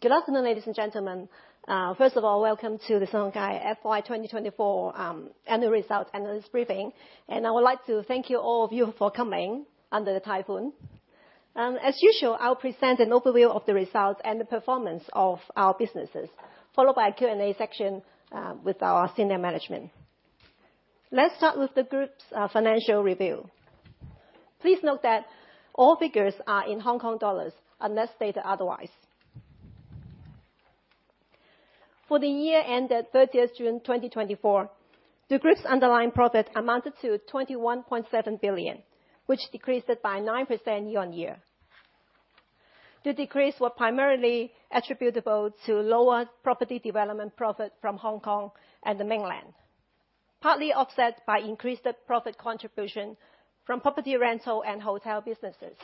Good afternoon, ladies and gentlemen. First of all, welcome to the Sun Hung Kai FY 2024 Annual Results/Analyst Briefing, and I would like to thank you, all of you, for coming under the typhoon. As usual, I'll present an overview of the results and the performance of our businesses, followed by a Q&A section with our senior management. Let's start with the group's financial review. Please note that all figures are in Hong Kong dollars, unless stated otherwise. For the year ended June 30th 2024, the group's underlying profit amounted to 21.7 billion, which decreased by 9% year-on-year. The decrease was primarily attributable to lower property development profit from Hong Kong and the Mainland, partly offset by increased profit contribution from property rental and hotel businesses.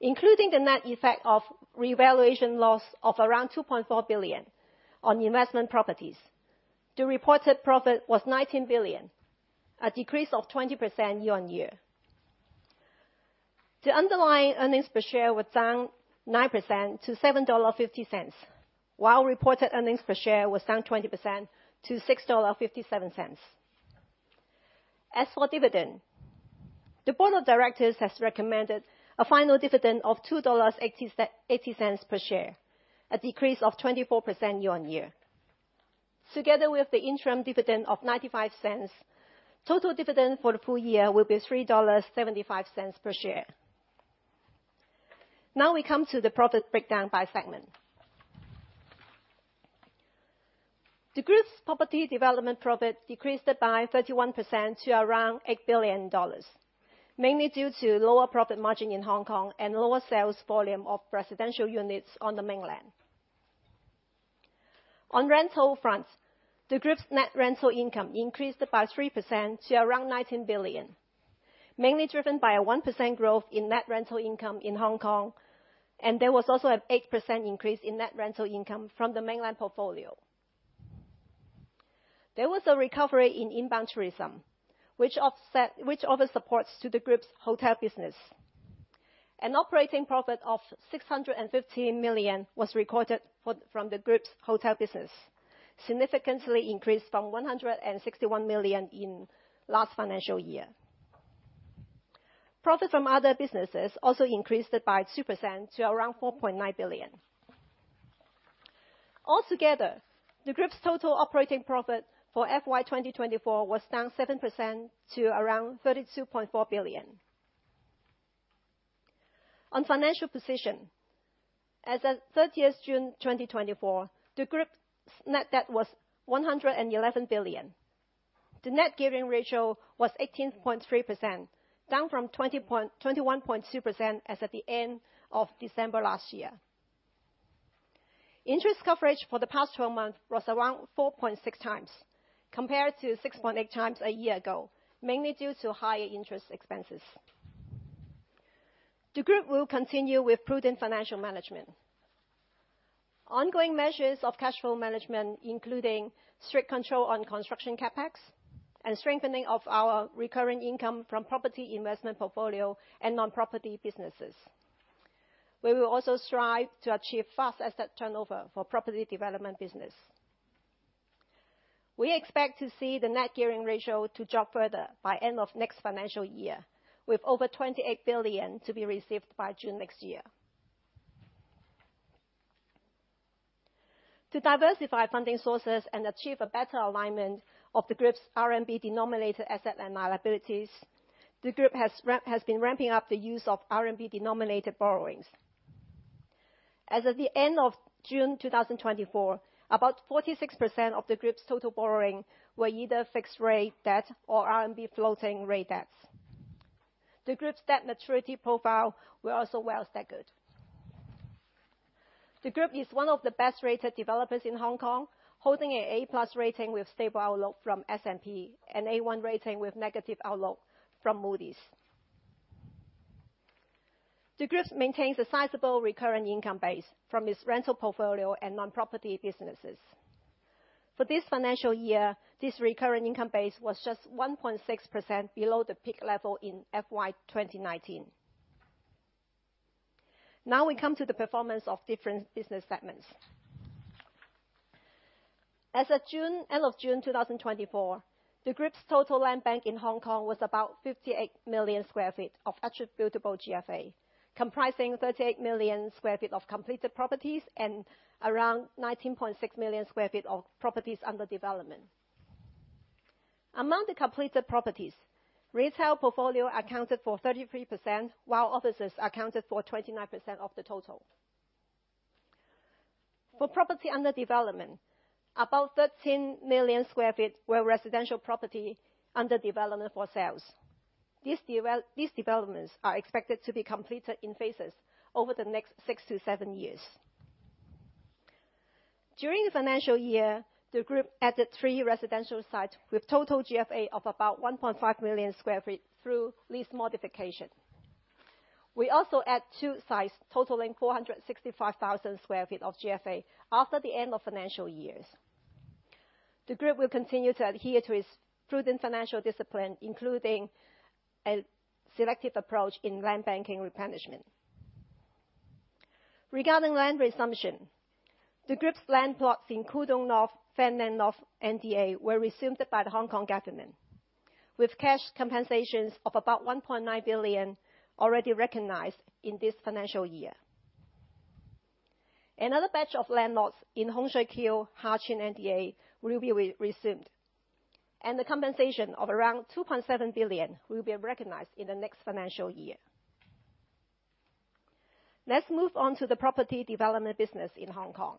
Including the net effect of revaluation loss of around 2.4 billion on investment properties, the reported profit was 19 billion, a decrease of 20% year-on-year. The underlying earnings per share was down 9% to HKD 7.50, while reported earnings per share was down 20% to HKD 6.57. As for dividend, the board of directors has recommended a final dividend of 2.80 dollars per share, a decrease of 24% year-on-year. Together with the interim dividend of 0.95, total dividend for the full year will be 3.75 dollars per share. Now, we come to the profit breakdown by segment. The group's property development profit decreased by 31% to around 8 billion dollars, mainly due to lower profit margin in Hong Kong and lower sales volume of residential units on the Mainland. On rental front, the group's net rental income increased by 3% to around 19 billion, mainly driven by a 1% growth in net rental income in Hong Kong, and there was also an 8% increase in net rental income from the Mainland portfolio. There was a recovery in inbound tourism, which offers support to the group's hotel business. An operating profit of 615 million was recorded from the group's hotel business, significantly increased from 161 million in last financial year. Profit from other businesses also increased by 2% to around 4.9 billion. Altogether, the group's total operating profit for FY 2024 was down 7% to around 32.4 billion. On financial position, as at June 30th 2024, the group's net debt was 111 billion. The net gearing ratio was 18.3%, down from 21.2% as at the end of December last year. Interest coverage for the past 12 months was around 4.6 times, compared to 6.8 times a year ago, mainly due to high interest expenses. The group will continue with prudent financial management. Ongoing measures of cash flow management, including strict control on construction CapEx and strengthening of our recurring income from property investment portfolio and non-property businesses. We will also strive to achieve fast asset turnover for property development business. We expect to see the net gearing ratio to drop further by end of next financial year, with over 28 billion to be received by June next year. To diversify funding sources and achieve a better alignment of the group's RMB-denominated assets and liabilities, the group has been ramping up the use of RMB-denominated borrowings. As of the end of June 2024, about 46% of the group's total borrowing were either fixed rate debt or RMB floating rate debts. The group's debt maturity profile were also well staggered. The group is one of the best-rated developers in Hong Kong, holding an A+ rating with stable outlook from S&P and A1 rating with negative outlook from Moody's. The group maintains a sizable recurring income base from its rental portfolio and non-property businesses. For this financial year, this recurring income base was just 1.6% below the peak level in FY 2019. Now, we come to the performance of different business segments. As of June, end of June 2024, the group's total landbank in Hong Kong was about 58 million sq ft of attributable GFA, comprising 38 million sq ft of completed properties and around 19.6 million sq ft of properties under development. Among the completed properties, retail portfolio accounted for 33%, while offices accounted for 29% of the total. For property under development, about 13 million sq ft were residential property under development for sales. These developments are expected to be completed in phases over the next six to seven years. During the financial year, the group added three residential sites, with total GFA of about 1.5 million sq ft through lease modification. We also add two sites, totaling 465,000 sq ft of GFA after the end of financial years. The group will continue to adhere to its prudent financial discipline, including a selective approach in land banking replenishment. Regarding land resumption, the group's land plots in Kwu Tung North, Fanling North NDA, were resumed by the Hong Kong government, with cash compensations of about 1.9 billion already recognized in this financial year. Another batch of land plots in Hung Shui Kiu, Sha Tin, NDA, will be re-resumed, and the compensation of around 2.7 billion will be recognized in the next financial year. Let's move on to the property development business in Hong Kong.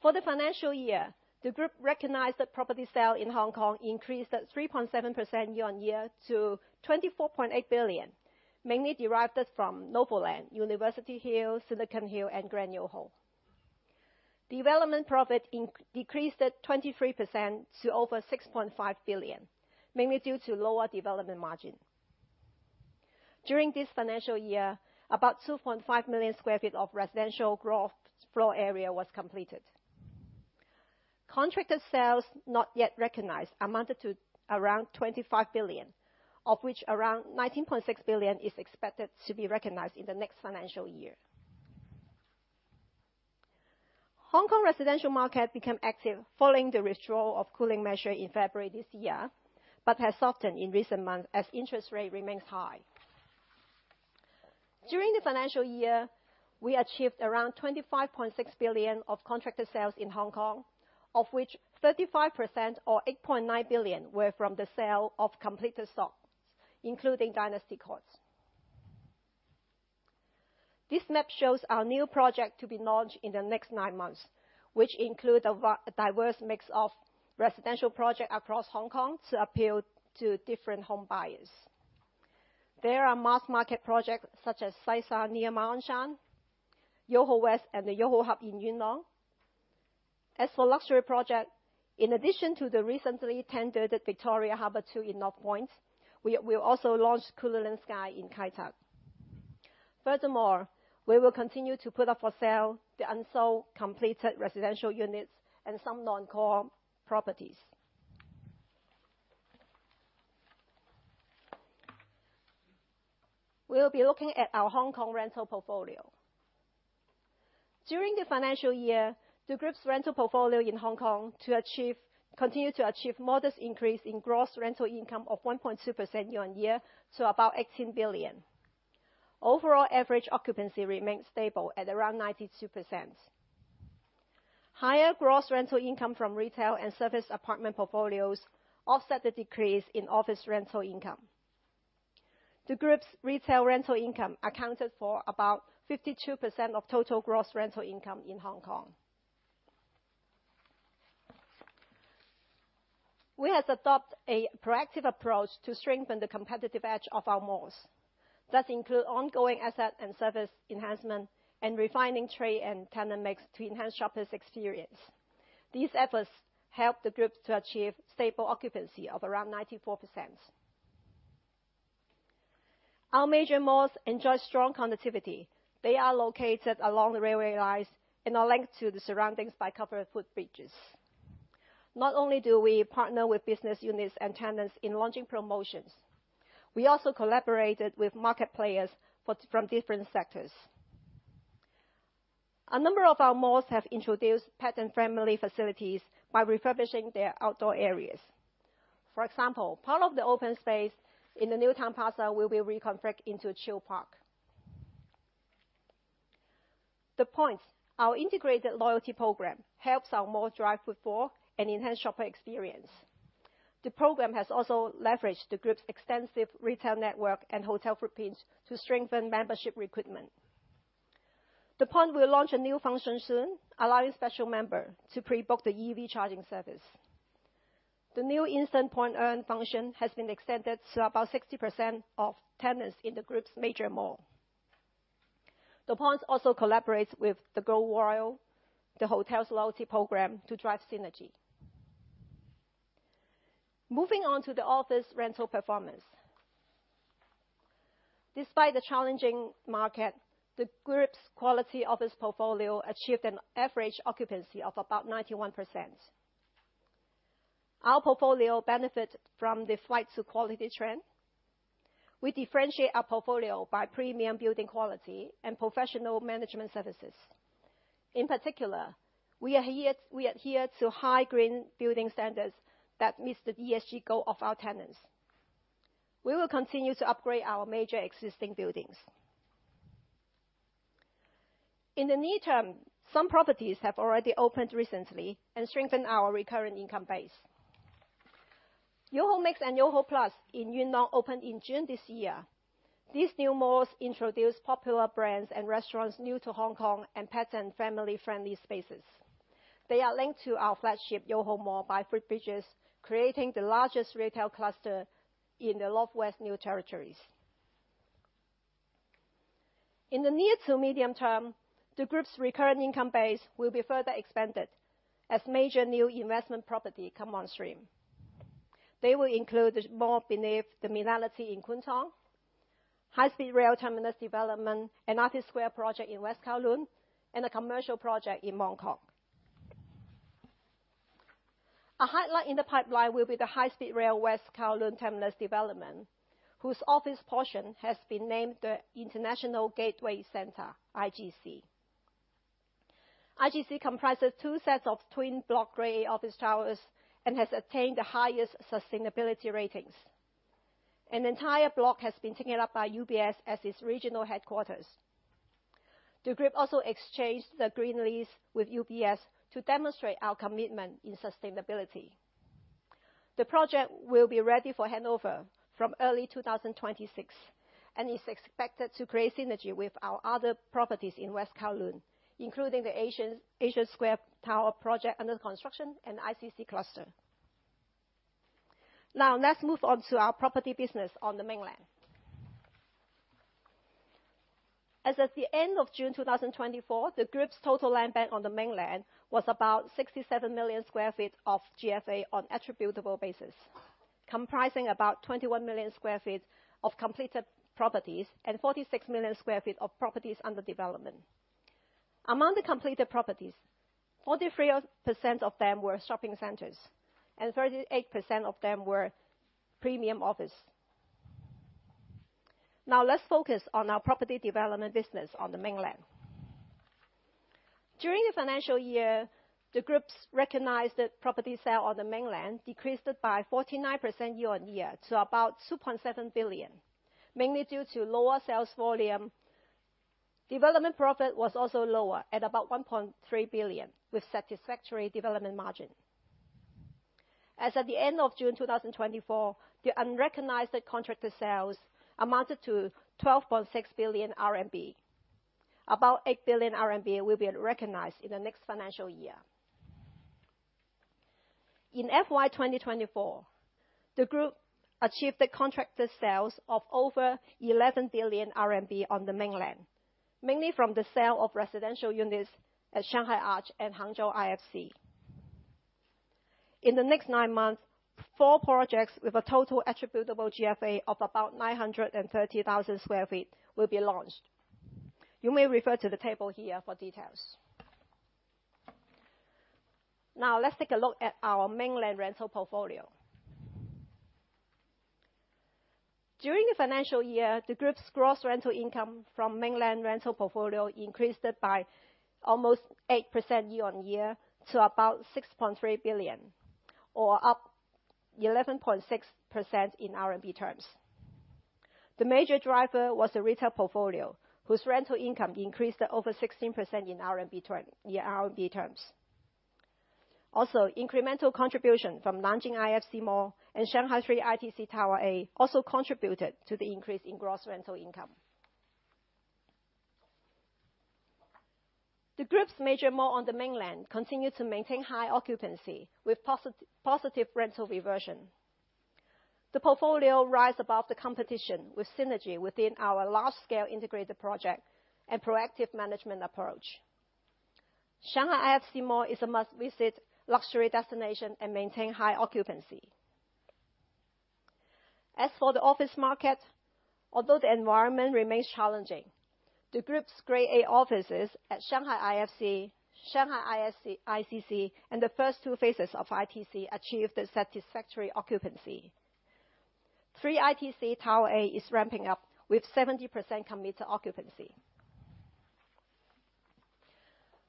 For the financial year, the group recognized that property sale in Hong Kong increased at 3.7% year-on-year to HKD 24.8 billion. Mainly derived at, from Novo Land, University Hill, Silicon Hill, and Grand YOHO. Development profit decreased by 23% to over 6.5 billion, mainly due to lower development margin. During this financial year, about 2.5 million sq ft of residential gross floor area was completed. Contracted sales not yet recognized amounted to around 25 billion, of which around 19.6 billion is expected to be recognized in the next financial year. Hong Kong residential market became active following the withdrawal of cooling measure in February this year, but has softened in recent months as interest rate remains high. During the financial year, we achieved around 25.6 billion of contracted sales in Hong Kong, of which 35% or 8.9 billion were from the sale of completed stocks, including Dynasty Court. This map shows our new project to be launched in the next nine months, which include a diverse mix of residential projects across Hong Kong to appeal to different home buyers. There are mass market projects such as Sai Sha near Ma On Shan, YOHO West, and the YOHO Hub in Yuen Long. As for luxury project, in addition to the recently tendered Victoria Harbour II in North Point, we will also launch Cullinan Sky in Kai Tak. Furthermore, we will continue to put up for sale the unsold completed residential units and some non-core properties. We will be looking at our Hong Kong rental portfolio. During the financial year, the group's rental portfolio in Hong Kong continued to achieve modest increase in gross rental income of 1.2% year-on-year to about HK$18 billion. Overall, average occupancy remains stable at around 92%. Higher gross rental income from retail and service apartment portfolios offset the decrease in office rental income. The group's retail rental income accounted for about 52% of total gross rental income in Hong Kong. We have adopted a proactive approach to strengthen the competitive edge of our malls, that include ongoing asset and service enhancement and refining trade and tenant mix to enhance shoppers' experience. These efforts help the group to achieve stable occupancy of around 94%. Our major malls enjoy strong connectivity. They are located along the railway lines and are linked to the surroundings by covered footbridges. Not only do we partner with business units and tenants in launching promotions, we also collaborated with market players from different sectors. A number of our malls have introduced pet and family facilities by refurbishing their outdoor areas. For example, part of the open space in the New Town Plaza will be reconfigured into a Chill Park. The Point, our integrated loyalty program, helps our malls drive footfall and enhance shopper experience. The program has also leveraged the group's extensive retail network and hotel footprint to strengthen membership recruitment. The Point will launch a new function soon, allowing special member to pre-book the EV charging service. The new instant point earn function has been extended to about 60% of tenants in the group's major mall. The Point also collaborates with the Go Royal, the hotel's loyalty program, to drive synergy. Moving on to the office rental performance. Despite the challenging market, the group's quality office portfolio achieved an average occupancy of about 91%. Our portfolio benefit from the flight to quality trend. We differentiate our portfolio by premium building quality and professional management services. In particular, we adhere to high green building standards that meets the ESG goal of our tenants. We will continue to upgrade our major existing buildings. In the near term, some properties have already opened recently and strengthened our recurrent income base. Yoho Mix and Yoho Plus in Yuen Long opened in June this year. These new malls introduce popular brands and restaurants new to Hong Kong, and pet and family-friendly spaces. They are linked to our flagship, Yoho Mall, by footbridges, creating the largest retail cluster in the northwest New Territories. In the near to medium term, the group's recurrent income base will be further expanded as major new investment property come on stream. They will include The Millennity in Kwun Tong, high-speed rail terminus development, and Artist Square Towers project in West Kowloon, and a commercial project in Mong Kok. A highlight in the pipeline will be the high-speed rail West Kowloon terminus development, whose office portion has been named the International Gateway Centre, IGC. IGC comprises two sets of twin block Grade A office towers and has attained the highest sustainability ratings. An entire block has been taken up by UBS as its regional headquarters. The group also exchanged the green lease with UBS to demonstrate our commitment in sustainability. The project will be ready for handover from early 2026, and is expected to create synergy with our other properties in West Kowloon, including the Artist Square Towers project under construction and ICC cluster. Now, let's move on to our property business on the Mainland. As of the end of June 2024, the group's total land bank on the Mainland was about 67 million sq ft of GFA on attributable basis, comprising about 21 million sq ft of completed properties and 46 million sq ft of properties under development. Among the completed properties, 43% of them were shopping centers, and 38% of them were premium office. Now, let's focus on our property development business on the Mainland. During the financial year, the group's recognized property sales on the Mainland decreased by 49% year-on-year to about 2.7 billion, mainly due to lower sales volume. Development profit was also lower, at about 1.3 billion, with satisfactory development margin. As at the end of June 2024, the unrecognized contracted sales amounted to 12.6 billion RMB. About 8 billion RMB will be recognized in the next financial year. In FY 2024, the group achieved the contracted sales of over 11 billion RMB on the Mainland, mainly from the sale of residential units at Shanghai Arch and Hangzhou IFC. In the next nine months, four projects with a total attributable GFA of about 930,000 sq ft will be launched. You may refer to the table here for details. Now, let's take a look at our Mainland rental portfolio. During the financial year, the group's gross rental income from Mainland rental portfolio increased by almost 8% year-on-year to about 6.3 billion, or up 11.6% in RMB terms. The major driver was a retail portfolio, whose rental income increased by over 16% year-on-year in RMB terms. Also, incremental contribution from Nanjing IFC Mall and Shanghai Three ITC Tower A also contributed to the increase in gross rental income. The group's major mall on the Mainland continued to maintain high occupancy with positive rental reversion. The portfolio rise above the competition with synergy within our large-scale integrated project and proactive management approach. Shanghai IFC Mall is a must-visit luxury destination and maintain high occupancy. As for the office market, although the environment remains challenging, the group's Grade A offices at Shanghai IFC, Shanghai ICC, and the first two phases of ITC achieved a satisfactory occupancy. Three ITC Tower A is ramping up with 70% committed occupancy.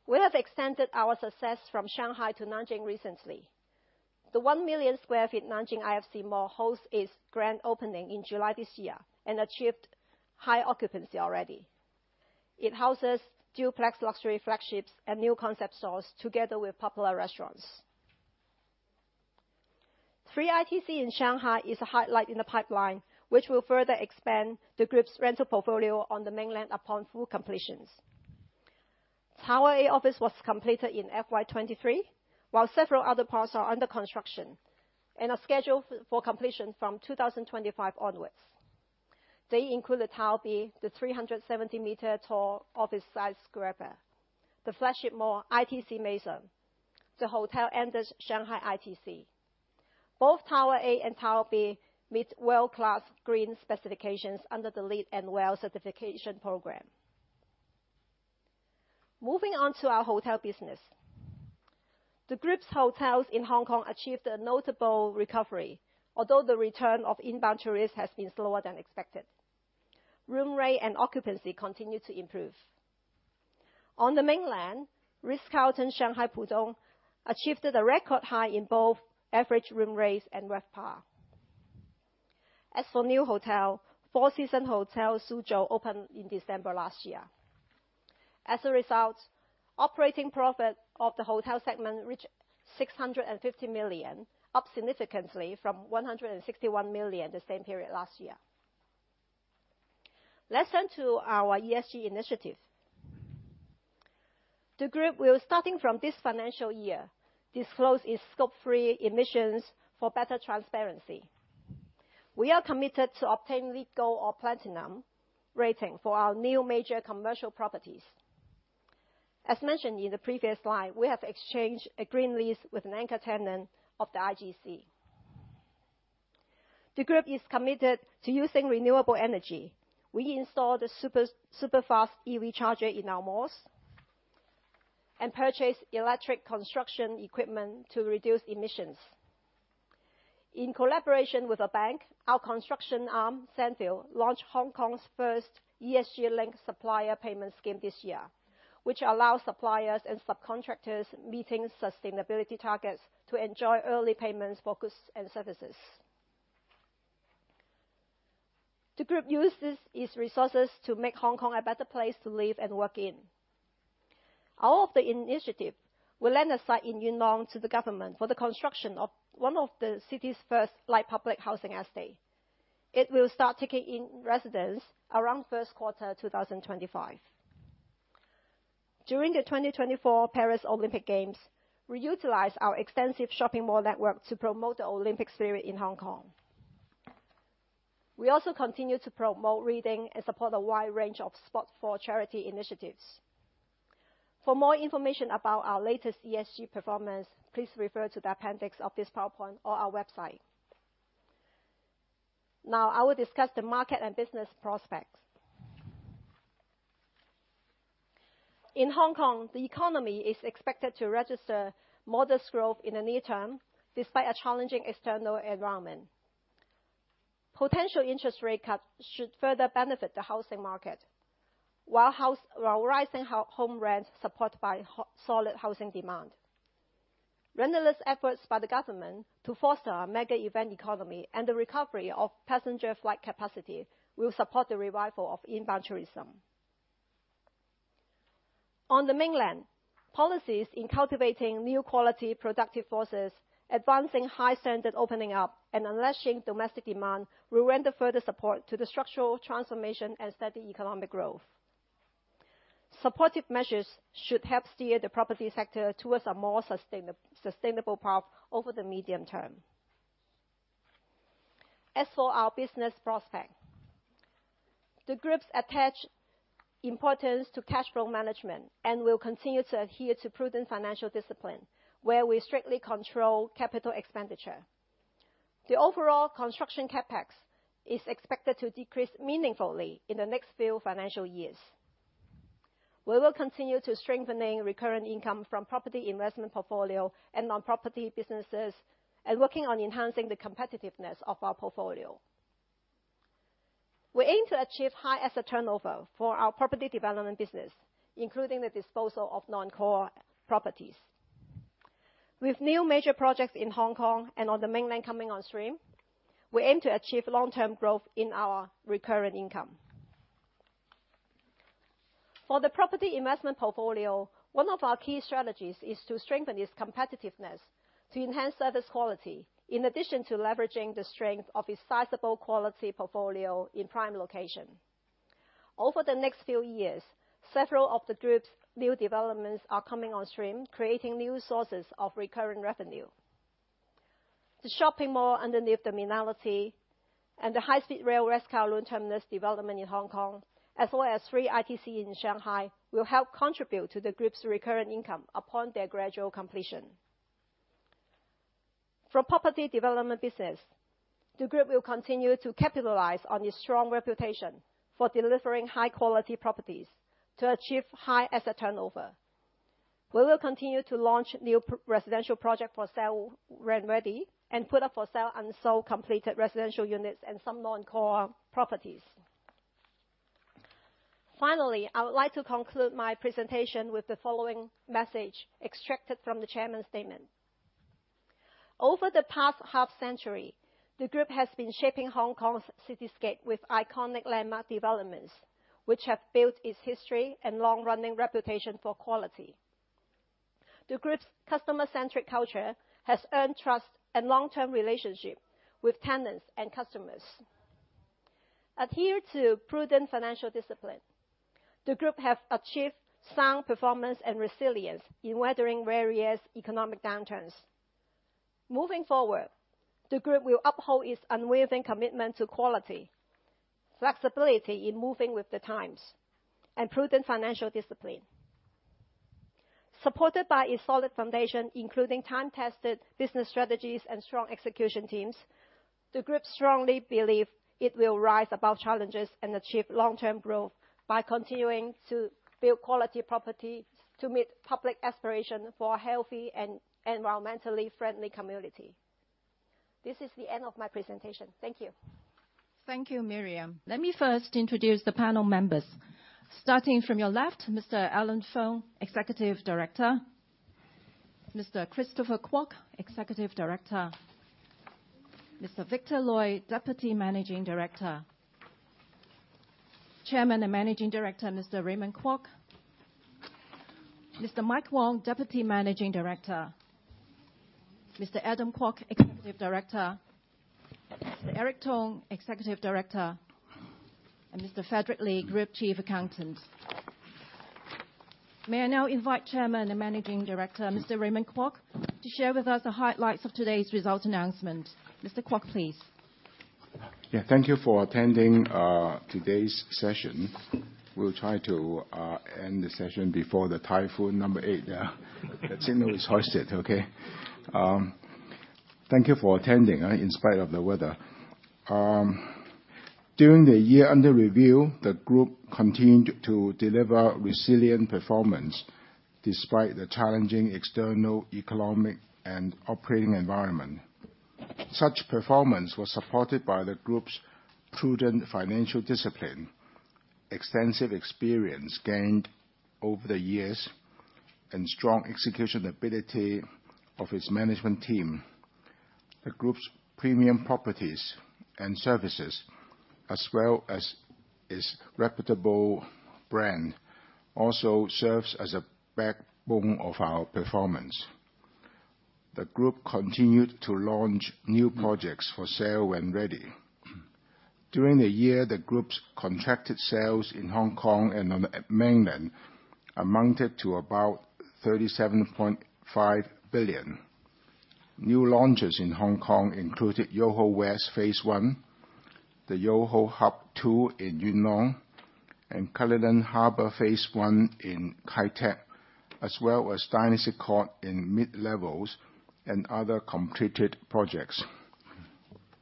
We have extended our success from Shanghai to Nanjing recently. The 1 million sq ft Nanjing IFC Mall hosts its grand opening in July this year and achieved high occupancy already. It houses duplex luxury flagships and new concept stores, together with popular restaurants. Three ITC in Shanghai is a highlight in the pipeline, which will further expand the group's rental portfolio on the Mainland upon full completions. Tower A office was completed in FY 2023, while several other parts are under construction and are scheduled for completion from 2025 onwards. They include the Tower B, the 370-meter-tall office skyscraper, the flagship mall, ITC Maison, the hotel Andaz Shanghai ITC. Both Tower A and Tower B meet world-class green specifications under the LEED and WELL certification program. Moving on to our hotel business. The group's hotels in Hong Kong achieved a notable recovery, although the return of inbound tourists has been slower than expected. Room rate and occupancy continued to improve. On the Mainland, Ritz-Carlton Shanghai, Pudong achieved a record high in both average room rates and RevPAR. As for new hotel, Four Seasons Hotel Suzhou opened in December last year. As a result, operating profit of the hotel segment reached 650 million, up significantly from 161 million the same period last year. Let's turn to our ESG initiative. The group will, starting from this financial year, disclose its Scope 3 emissions for better transparency. We are committed to obtain LEED Gold or Platinum rating for our new major commercial properties. As mentioned in the previous slide, we have exchanged a green lease with an anchor tenant of the IGC. The group is committed to using renewable energy. We installed a super, super fast EV charger in our malls, and purchased electric construction equipment to reduce emissions. In collaboration with a bank, our construction arm, Sanfield, launched Hong Kong's first ESG-linked supplier payment scheme this year, which allows suppliers and subcontractors meeting sustainability targets to enjoy early payments for goods and services. The group uses its resources to make Hong Kong a better place to live and work in. All of the initiative will lend a site in Yuen Long to the government for the construction of one of the city's first light public housing estate. It will start taking in residents around first quarter 2025. During the 2024 Paris Olympic Games, we utilized our extensive shopping mall network to promote the Olympic spirit in Hong Kong. We also continue to promote reading and support a wide range of sports for charity initiatives. For more information about our latest ESG performance, please refer to the appendix of this PowerPoint or our website. Now I will discuss the market and business prospects. In Hong Kong, the economy is expected to register modest growth in the near term, despite a challenging external environment. Potential interest rate cut should further benefit the housing market, while rising home rents supported by solid housing demand. Relentless efforts by the government to foster a mega event economy and the recovery of passenger flight capacity will support the revival of inbound tourism. On the mainland, policies in cultivating new quality, productive forces, advancing high standard opening up, and unleashing domestic demand will render further support to the structural transformation and steady economic growth. Supportive measures should help steer the property sector towards a more sustainable path over the medium term. As for our business prospect, the groups attach importance to cash flow management and will continue to adhere to prudent financial discipline, where we strictly control capital expenditure. The overall construction CapEx is expected to decrease meaningfully in the next few financial years. We will continue to strengthening recurrent income from property investment portfolio and non-property businesses, and working on enhancing the competitiveness of our portfolio. We aim to achieve high asset turnover for our property development business, including the disposal of non-core properties. With new major projects in Hong Kong and on the mainland coming on stream, we aim to achieve long-term growth in our recurrent income. For the property investment portfolio, one of our key strategies is to strengthen its competitiveness to enhance service quality, in addition to leveraging the strength of its sizable quality portfolio in prime location. Over the next few years, several of the group's new developments are coming on stream, creating new sources of recurring revenue. The shopping mall underneath The Millennity and the high-speed rail West Kowloon Terminus development in Hong Kong, as well as Three ITC in Shanghai, will help contribute to the group's recurring income upon their gradual completion. For property development business, the group will continue to capitalize on its strong reputation for delivering high-quality properties to achieve high asset turnover. We will continue to launch new residential project for sale when ready, and put up for sale unsold completed residential units and some non-core properties. Finally, I would like to conclude my presentation with the following message extracted from the chairman's statement: "Over the past half century, the group has been shaping Hong Kong's cityscape with iconic landmark developments, which have built its history and long-running reputation for quality. The group's customer-centric culture has earned trust and long-term relationship with tenants and customers. Adhere to prudent financial discipline, the group have achieved sound performance and resilience in weathering various economic downturns. Moving forward, the group will uphold its unwavering commitment to quality, flexibility in moving with the times, and prudent financial discipline. Supported by a solid foundation, including time-tested business strategies and strong execution teams, the group strongly believe it will rise above challenges and achieve long-term growth by continuing to build quality properties to meet public aspiration for a healthy and environmentally friendly community. This is the end of my presentation. Thank you. Thank you, Miriam. Let me first introduce the panel members. Starting from your left, Mr. Allen Fung, Executive Director. Mr. Christopher Kwok, Executive Director. Mr. Victor Lui, Deputy Managing Director. Chairman and Managing Director, Mr. Raymond Kwok. Mr. Mike Wong, Deputy Managing Director. Mr. Adam Kwok, Executive Director. Eric Tong, Executive Director, and Mr. Frederick Li, Group Chief Accountant. May I now invite Chairman and Managing Director, Mr. Raymond Kwok, to share with us the highlights of today's results announcement. Mr. Kwok, please.... Yeah, thank you for attending today's session. We'll try to end the session before the typhoon number eight. Yeah, the signal is hoisted, okay? Thank you for attending in spite of the weather. During the year under review, the group continued to deliver resilient performance despite the challenging external economic and operating environment. Such performance was supported by the group's prudent financial discipline, extensive experience gained over the years, and strong execution ability of its management team. The group's premium properties and services, as well as its reputable brand, also serves as a backbone of our performance. The group continued to launch new projects for sale when ready. During the year, the group's contracted sales in Hong Kong and on the mainland amounted to about 37.5 billion. New launches in Hong Kong included YOHO West Phase 1, the YOHO Hub II in Yuen Long, and Cullinan Harbour Phase 1 in Kai Tak, as well as Dynasty Court in Mid-Levels and other completed projects.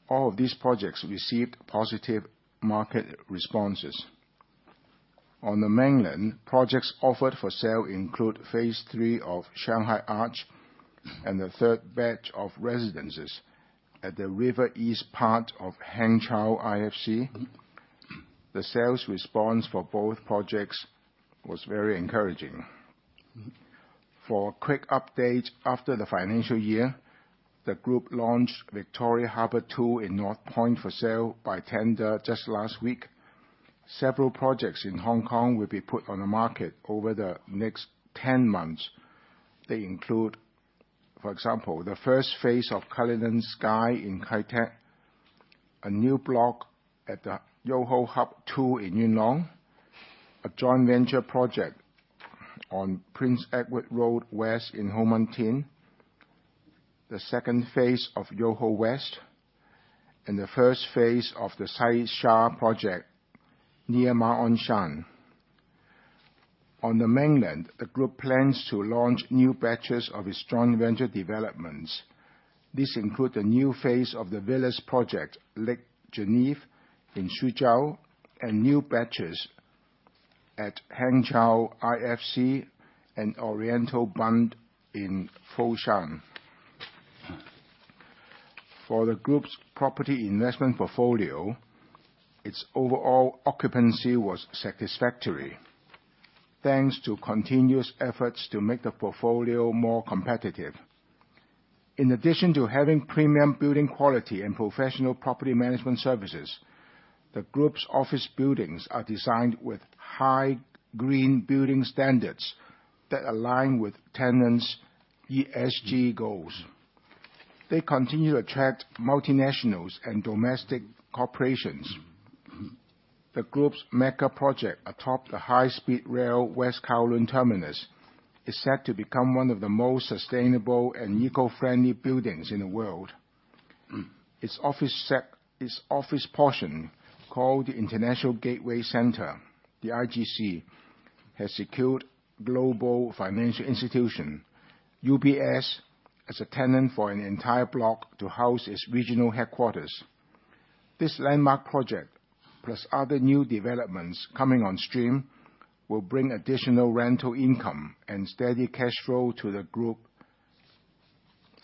All of these projects received positive market responses. On the Mainland, projects offered for sale include Phase 3 of Shanghai Arch and the third batch of residences at the river east part of Hangzhou IFC. The sales response for both projects was very encouraging. For a quick update, after the financial year, the group launched Victoria Harbour II in North Point for sale by tender just last week. Several projects in Hong Kong will be put on the market over the next 10 months. They include, for example, the first phase of Cullinan Sky in Kai Tak, a new block at the YOHO Hub II in Yuen Long, a joint venture project on Prince Edward Road West in Ho Man Tin, the 2nd phase of YOHO West, and the 1st phase of the Sai Sha project near Ma On Shan. On the mainland, the group plans to launch new batches of its joint venture developments. This include a new phase of the Villas project, Lake Genève, in Suzhou, and new batches at Hangzhou IFC and Oriental Bund in Foshan. For the group's property investment portfolio, its overall occupancy was satisfactory, thanks to continuous efforts to make the portfolio more competitive. In addition to having premium building quality and professional property management services, the group's office buildings are designed with high green building standards that align with tenants' ESG goals. They continue to attract multinationals and domestic corporations. The group's mega project atop the high-speed rail West Kowloon Terminus is set to become one of the most sustainable and eco-friendly buildings in the world. Its office portion, called the International Gateway Center, the IGC, has secured global financial institution, UBS, as a tenant for an entire block to house its regional headquarters. This landmark project, plus other new developments coming on stream, will bring additional rental income and steady cash flow to the group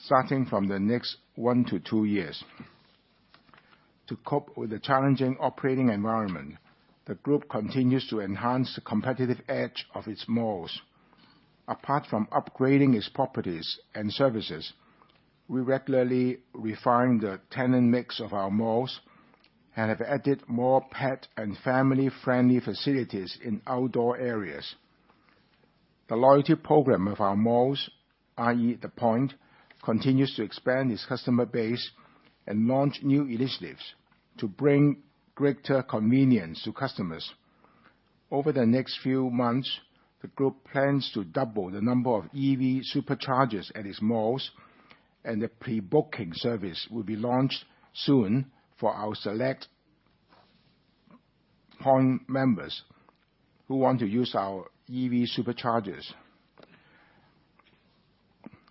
starting from the next one to two years. To cope with the challenging operating environment, the group continues to enhance the competitive edge of its malls. Apart from upgrading its properties and services, we regularly refine the tenant mix of our malls and have added more pet and family-friendly facilities in outdoor areas. The loyalty program of our malls, i.e., The Point, continues to expand its customer base and launch new initiatives to bring greater convenience to customers. Over the next few months, the group plans to double the number of EV superchargers at its malls, and the pre-booking service will be launched soon for our select Point members who want to use our EV superchargers.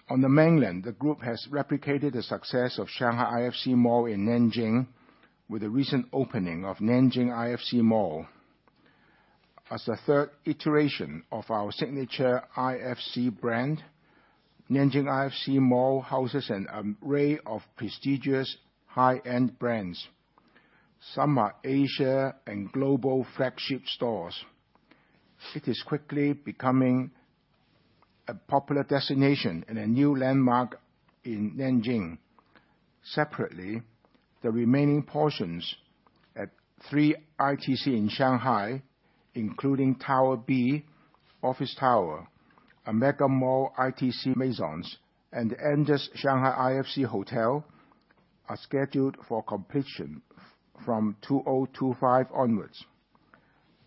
On the mainland, the group has replicated the success of Shanghai IFC Mall in Nanjing, with the recent opening of Nanjing IFC Mall. As a third iteration of our signature IFC brand, Nanjing IFC Mall houses an array of prestigious, high-end brands. Some are Asia and global flagship stores. It is quickly becoming a popular destination and a new landmark in Nanjing. Separately, the remaining portions at Three ITC in Shanghai, including Tower B, Office Tower, a Mega Mall, ITC Maison, and Andaz Shanghai ITC Hotel, are scheduled for completion from 2025 onwards.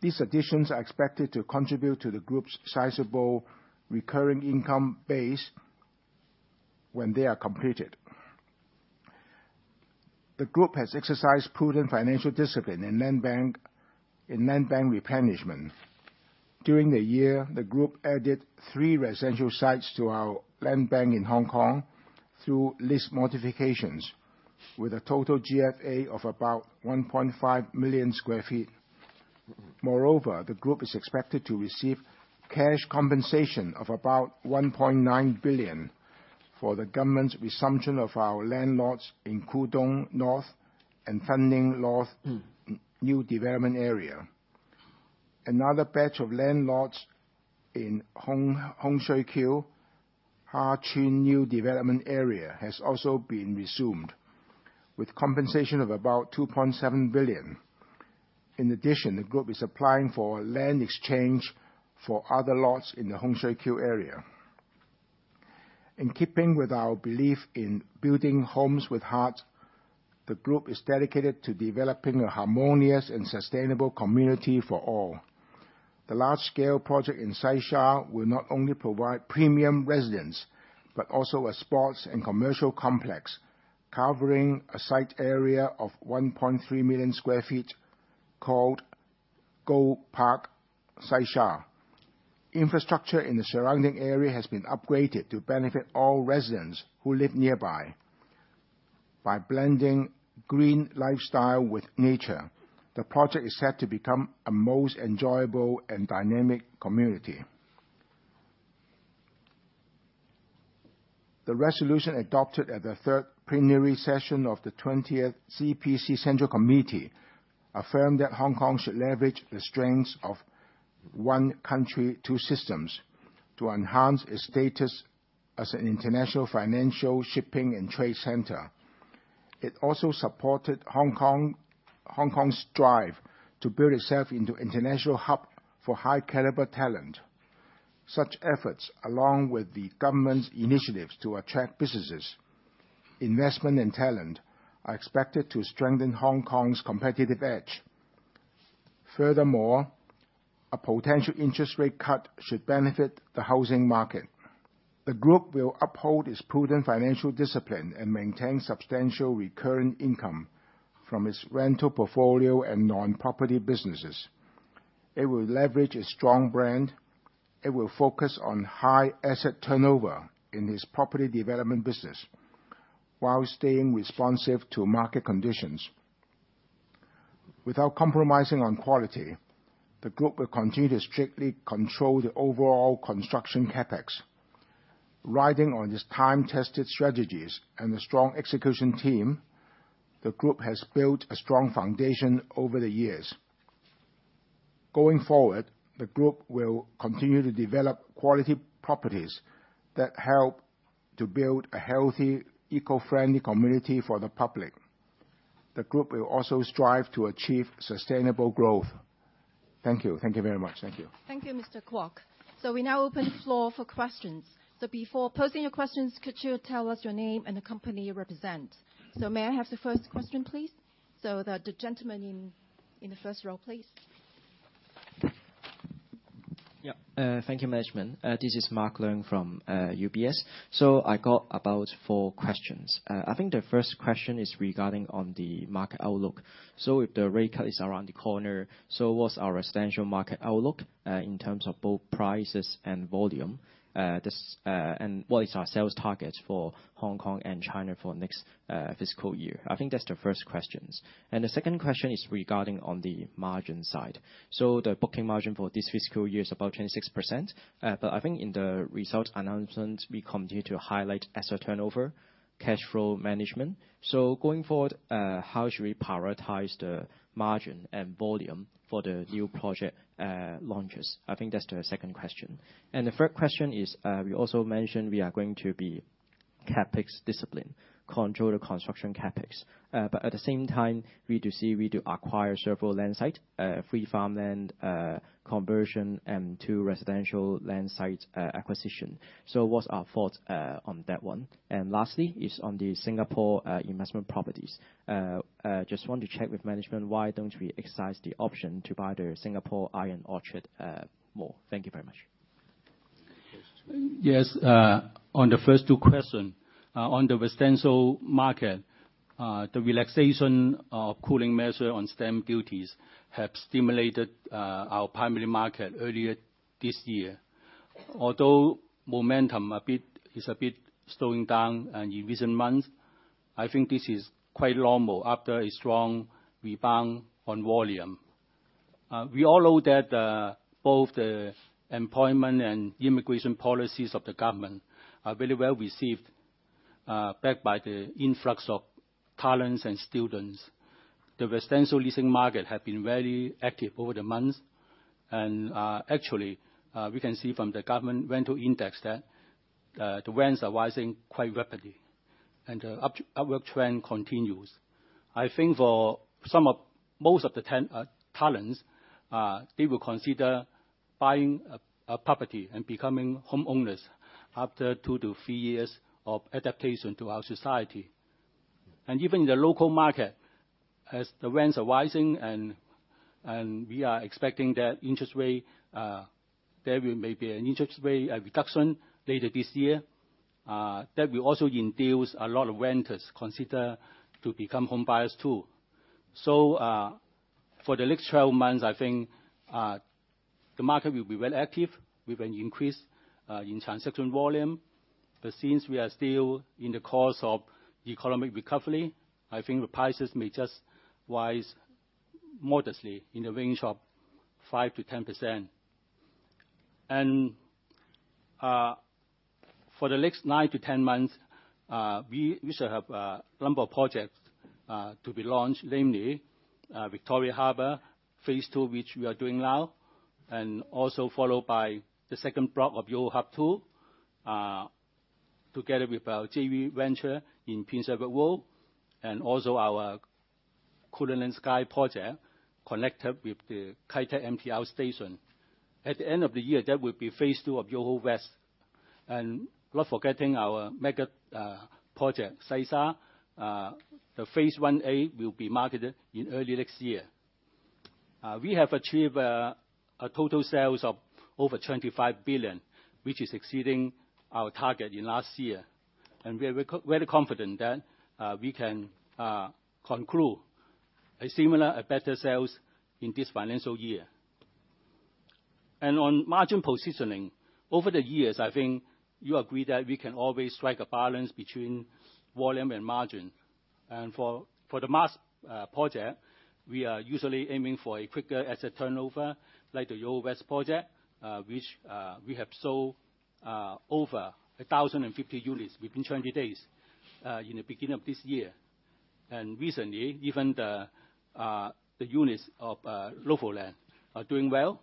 These additions are expected to contribute to the group's sizable recurring income base when they are completed. The group has exercised prudent financial discipline in land bank, in land bank replenishment. During the year, the group added three residential sites to our land bank in Hong Kong through lease modifications, with a total GFA of about 1.5 million sq ft. Moreover, the group is expected to receive cash compensation of about 1.9 billion for the government's resumption of our land lots in Kwu Tung North and Fanling North New Development Area. Another patch of land lots in Hong Kong, Hung Shui Kiu, Ha Tsuen New Development Area, has also been resumed, with compensation of about 2.7 billion. In addition, the group is applying for a land exchange for other lots in the Hung Shui Kiu area. In keeping with our belief in building homes with heart, the group is dedicated to developing a harmonious and sustainable community for all. The large-scale project in Sai Sha will not only provide premium residence, but also a sports and commercial complex, covering a site area of 1.3 million sq ft, called GO PARK Sai Sha. Infrastructure in the surrounding area has been upgraded to benefit all residents who live nearby. By blending green lifestyle with nature, the project is set to become a most enjoyable and dynamic community. The resolution adopted at the third plenary session of the twentieth CPC Central Committee affirmed that Hong Kong should leverage the strengths of one country, two systems, to enhance its status as an international financial, shipping, and trade center. It also supported Hong Kong's drive to build itself into an international hub for high-caliber talent. Such efforts, along with the government's initiatives to attract businesses, investment, and talent, are expected to strengthen Hong Kong's competitive edge. Furthermore, a potential interest rate cut should benefit the housing market. The group will uphold its prudent financial discipline and maintain substantial recurring income from its rental portfolio and non-property businesses. It will leverage its strong brand. It will focus on high asset turnover in its property development business, while staying responsive to market conditions. Without compromising on quality, the group will continue to strictly control the overall construction CapEx. Riding on its time-tested strategies and a strong execution team, the group has built a strong foundation over the years. Going forward, the group will continue to develop quality properties that help to build a healthy, eco-friendly community for the public. The group will also strive to achieve sustainable growth. Thank you. Thank you very much. Thank you. Thank you, Mr. Kwok. We now open the floor for questions. Before posing your questions, could you tell us your name and the company you represent? May I have the first question, please? The gentleman in the first row, please. Yeah, thank you, management. This is Mark Leung from UBS. So I got about four questions. I think the first question is regarding on the market outlook. So if the rate cut is around the corner, so what's our residential market outlook in terms of both prices and volume? This, and what is our sales targets for Hong Kong and China for next fiscal year? I think that's the first questions. And the second question is regarding on the margin side. So the booking margin for this fiscal year is about 26%. But I think in the results announcement, we continue to highlight asset turnover, cash flow management. So going forward, how should we prioritize the margin and volume for the new project launches? I think that's the second question. And the third question is, we also mentioned we are going to be CapEx discipline, control the construction CapEx. But at the same time, we do see, we do acquire several land site, free farmland, conversion, and two residential land site, acquisition. So what's our thought, on that one? And lastly, is on the Singapore, investment properties. Just want to check with management, why don't we exercise the option to buy the Singapore ION Orchard, mall? Thank you very much. Yes, on the first two questions, on the residential market, the relaxation of cooling measures on stamp duties have stimulated our primary market earlier this year. Although momentum a bit is a bit slowing down in recent months, I think this is quite normal after a strong rebound on volume. We all know that both the employment and immigration policies of the government are very well received, backed by the influx of talents and students. The residential leasing market have been very active over the months, and actually we can see from the government rental index that the rents are rising quite rapidly, and the upward trend continues. I think for some of... Most of the ten talents, they will consider buying a property and becoming homeowners after two to three years of adaptation to our society. Even in the local market, as the rents are rising and we are expecting that interest rate, there may be an interest rate reduction later this year, that will also induce a lot of renters consider to become home buyers, too. So, for the next 12 months, I think, the market will be very active with an increase in transaction volume. But since we are still in the course of economic recovery, I think the prices may just rise modestly in the range of 5%-10%. For the next nine to 10 months, we shall have a number of projects to be launched, namely, Victoria Harbour Phase 2, which we are doing now, and also followed by the second block of YOHO Hub II, together with our JV venture in Prince Edward Road West, and also our Cullinan Sky project, connected with the Kai Tak MTR station. At the end of the year, that will be phase 2 of YOHO West, and not forgetting our mega project, Sai Sha. The phase 1A will be marketed in early next year. We have achieved a total sales of over 25 billion, which is exceeding our target in last year, and we are very confident that we can conclude a similar and better sales in this financial year. On margin positioning, over the years, I think you agree that we can always strike a balance between volume and margin. For the mass project, we are usually aiming for a quicker asset turnover, like the YOHO West project, which we have sold over 1,050 units within 20 days in the beginning of this year. Recently, even the units of Novo Land are doing well.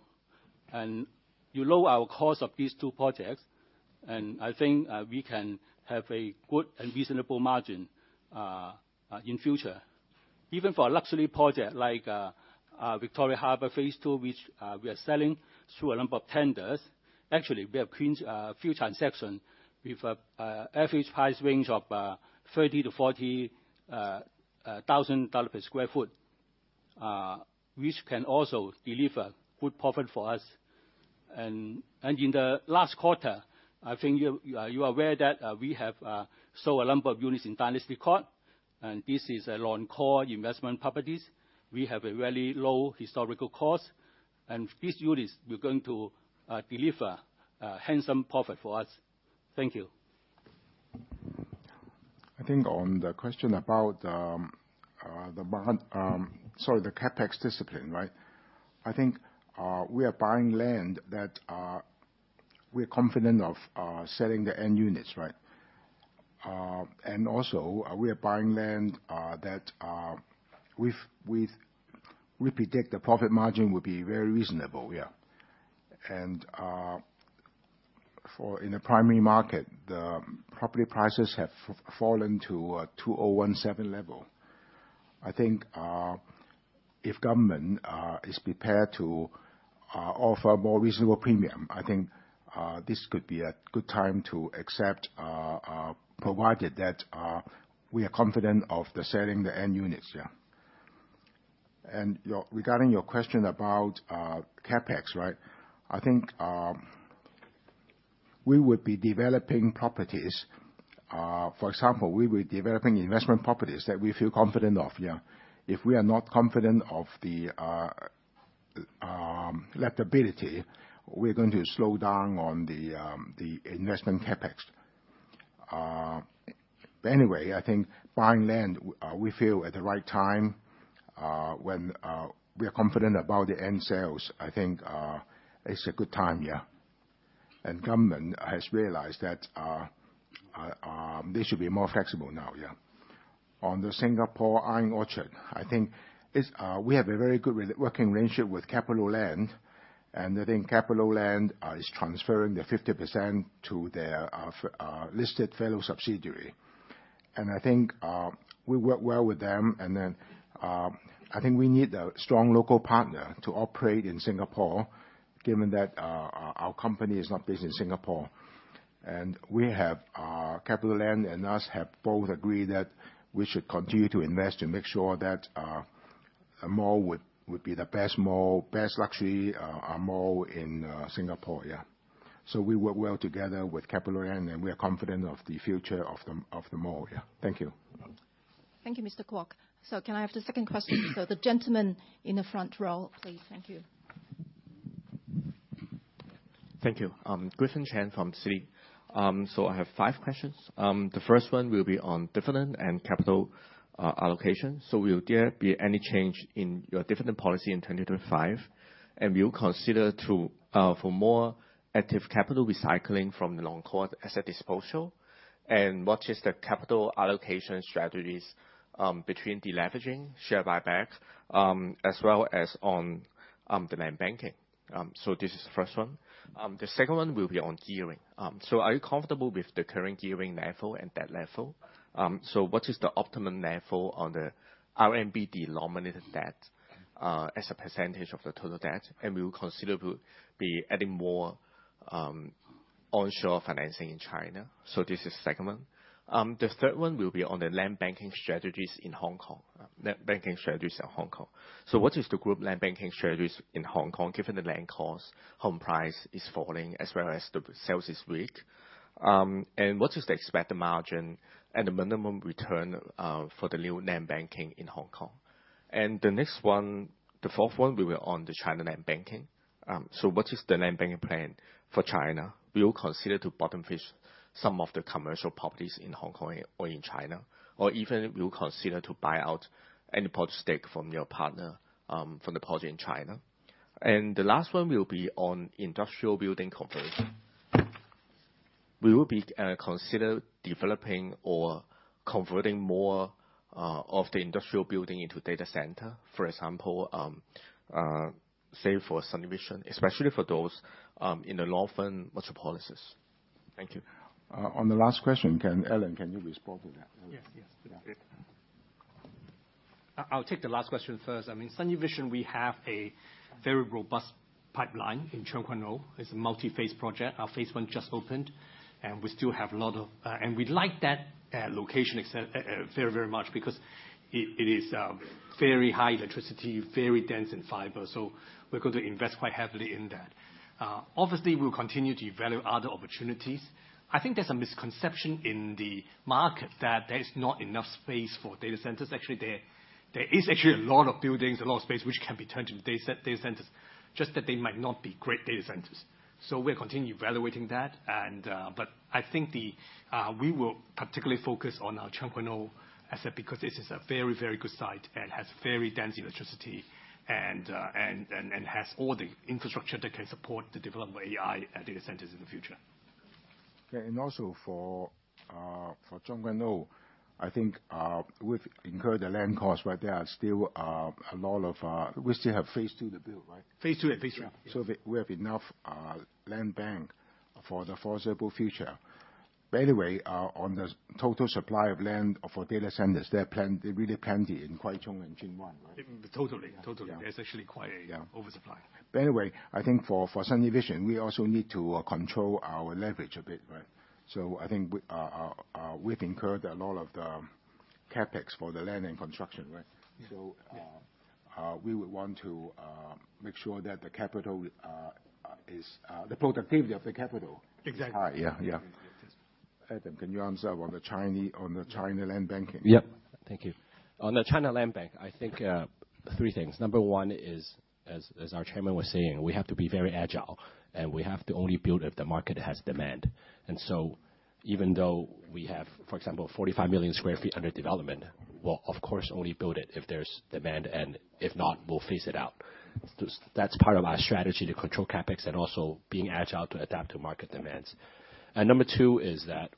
You know our cost of these two projects, and I think we can have a good and reasonable margin in future. Even for a luxury project like Victoria Harbour Phase 2, which we are selling through a number of tenders, actually, we have closed a few transactions with an average price range of 30-40 thousand dollars per sq ft, which can also deliver good profit for us. In the last quarter, I think you are aware that we have sold a number of units in Dynasty Court, and this is a long-held core investment properties. We have a very low historical cost, and these units were going to deliver a handsome profit for us. Thank you. I think on the question about, the CapEx discipline, right? I think, we are buying land that, we're confident of, selling the end units, right? And also, we are buying land, that, with, with... we predict the profit margin will be very reasonable, yeah. And, for in the primary market, the property prices have fallen to, 2017 level. I think, if government, is prepared to, offer a more reasonable premium, I think, this could be a good time to accept, provided that, we are confident of selling the end units, yeah. And regarding your question about, CapEx, right? I think, we would be developing properties, for example, we were developing investment properties that we feel confident of, yeah. If we are not confident of the collectibility, we're going to slow down on the investment CapEx, but anyway, I think buying land we feel at the right time when we are confident about the end sales, I think it's a good time, yeah, and government has realized that they should be more flexible now, yeah. On the Singapore ION Orchard, I think it's we have a very good working relationship with CapitaLand, and I think CapitaLand is transferring the 50% to their fellow listed subsidiary, and I think we work well with them, and then I think we need a strong local partner to operate in Singapore, given that our company is not based in Singapore. We have CapitaLand and us have both agreed that we should continue to invest and make sure that the mall would be the best mall, best luxury mall in Singapore, yeah. So we work well together with CapitaLand, and we are confident of the future of the mall, yeah. Thank you. Thank you, Mr. Kwok. So can I have the second question? So the gentleman in the front row, please. Thank you. Thank you. Griffin Chan from Citi. So I have five questions. The first one will be on dividend and capital, allocation. So will there be any change in your dividend policy in twenty twenty-five? And will you consider to, for more active capital recycling from the long-code asset disposal? And what is the capital allocation strategies, between deleveraging, share buyback, as well as on, the land banking? So this is the first one. The second one will be on gearing. So are you comfortable with the current gearing level and debt level? So what is the optimum level on the RMB denominated debt, as a percentage of the total debt? And will you consider w- be adding more,... onshore financing in China. So this is second one. The third one will be on the land banking strategies in Hong Kong, land banking strategies in Hong Kong. So what is the group land banking strategies in Hong Kong, given the land costs, home price is falling as well as the sales is weak? And what is the expected margin and the minimum return, for the new land banking in Hong Kong? And the next one, the fourth one, will be on the China land banking. So what is the land banking plan for China? Will you consider to bottom fish some of the commercial properties in Hong Kong or in China, or even will you consider to buy out any project stake from your partner, from the project in China? And the last one will be on industrial building conversion. Will you be consider developing or converting more of the industrial building into data center? For example, say, for SUNeVision, especially for those in the Nothern Metropolis. Thank you. On the last question, can Alan, can you respond to that? Yes, yes. Yeah. I'll take the last question first. I mean, SUNeVision, we have a very robust pipeline in Tseung Kwan O. It's a multi-phase project. Our phase 1 just opened, and we still have a lot of... and we like that location very, very much because it is very high electricity, very dense in fiber, so we're going to invest quite heavily in that. Obviously, we'll continue to evaluate other opportunities. I think there's a misconception in the market that there is not enough space for data centers. Actually, there is actually a lot of buildings, a lot of space, which can be turned into data centers, just that they might not be great data centers. So we're continuing evaluating that, and... But I think we will particularly focus on our Tseung Kwan O asset, because this is a very, very good site and has very dense electricity and has all the infrastructure that can support the development of AI and data centers in the future. Yeah, and also for Tseung Kwan O, I think we've incurred the land cost, but there are still a lot of... We still have phase 2 to build, right? Phase 2 and phase 3. Yeah. So we have enough land bank for the foreseeable future. By the way, on the total supply of land for data centers, there are plenty, really plenty in Kwai Chung and Tseung Kwan O, right? Totally. Totally. Yeah. There's actually quite a- Yeah - oversupply. But anyway, I think for SUNeVision, we also need to control our leverage a bit, right? So I think we've incurred a lot of the CapEx for the land and construction, right? Yeah. We would want to make sure that the capital is the productivity of the capital. Exactly is high. Yeah, yeah. Yes. Adam, can you answer on the China land banking? Yeah. Thank you. On the China land bank, I think, three things. Number one is, as our chairman was saying, we have to be very agile, and we have to only build if the market has demand. And so even though we have, for example, 45 million sq ft under development, we'll of course, only build it if there's demand, and if not, we'll phase it out. That's part of our strategy to control CapEx and also being agile to adapt to market demands. And number two is that,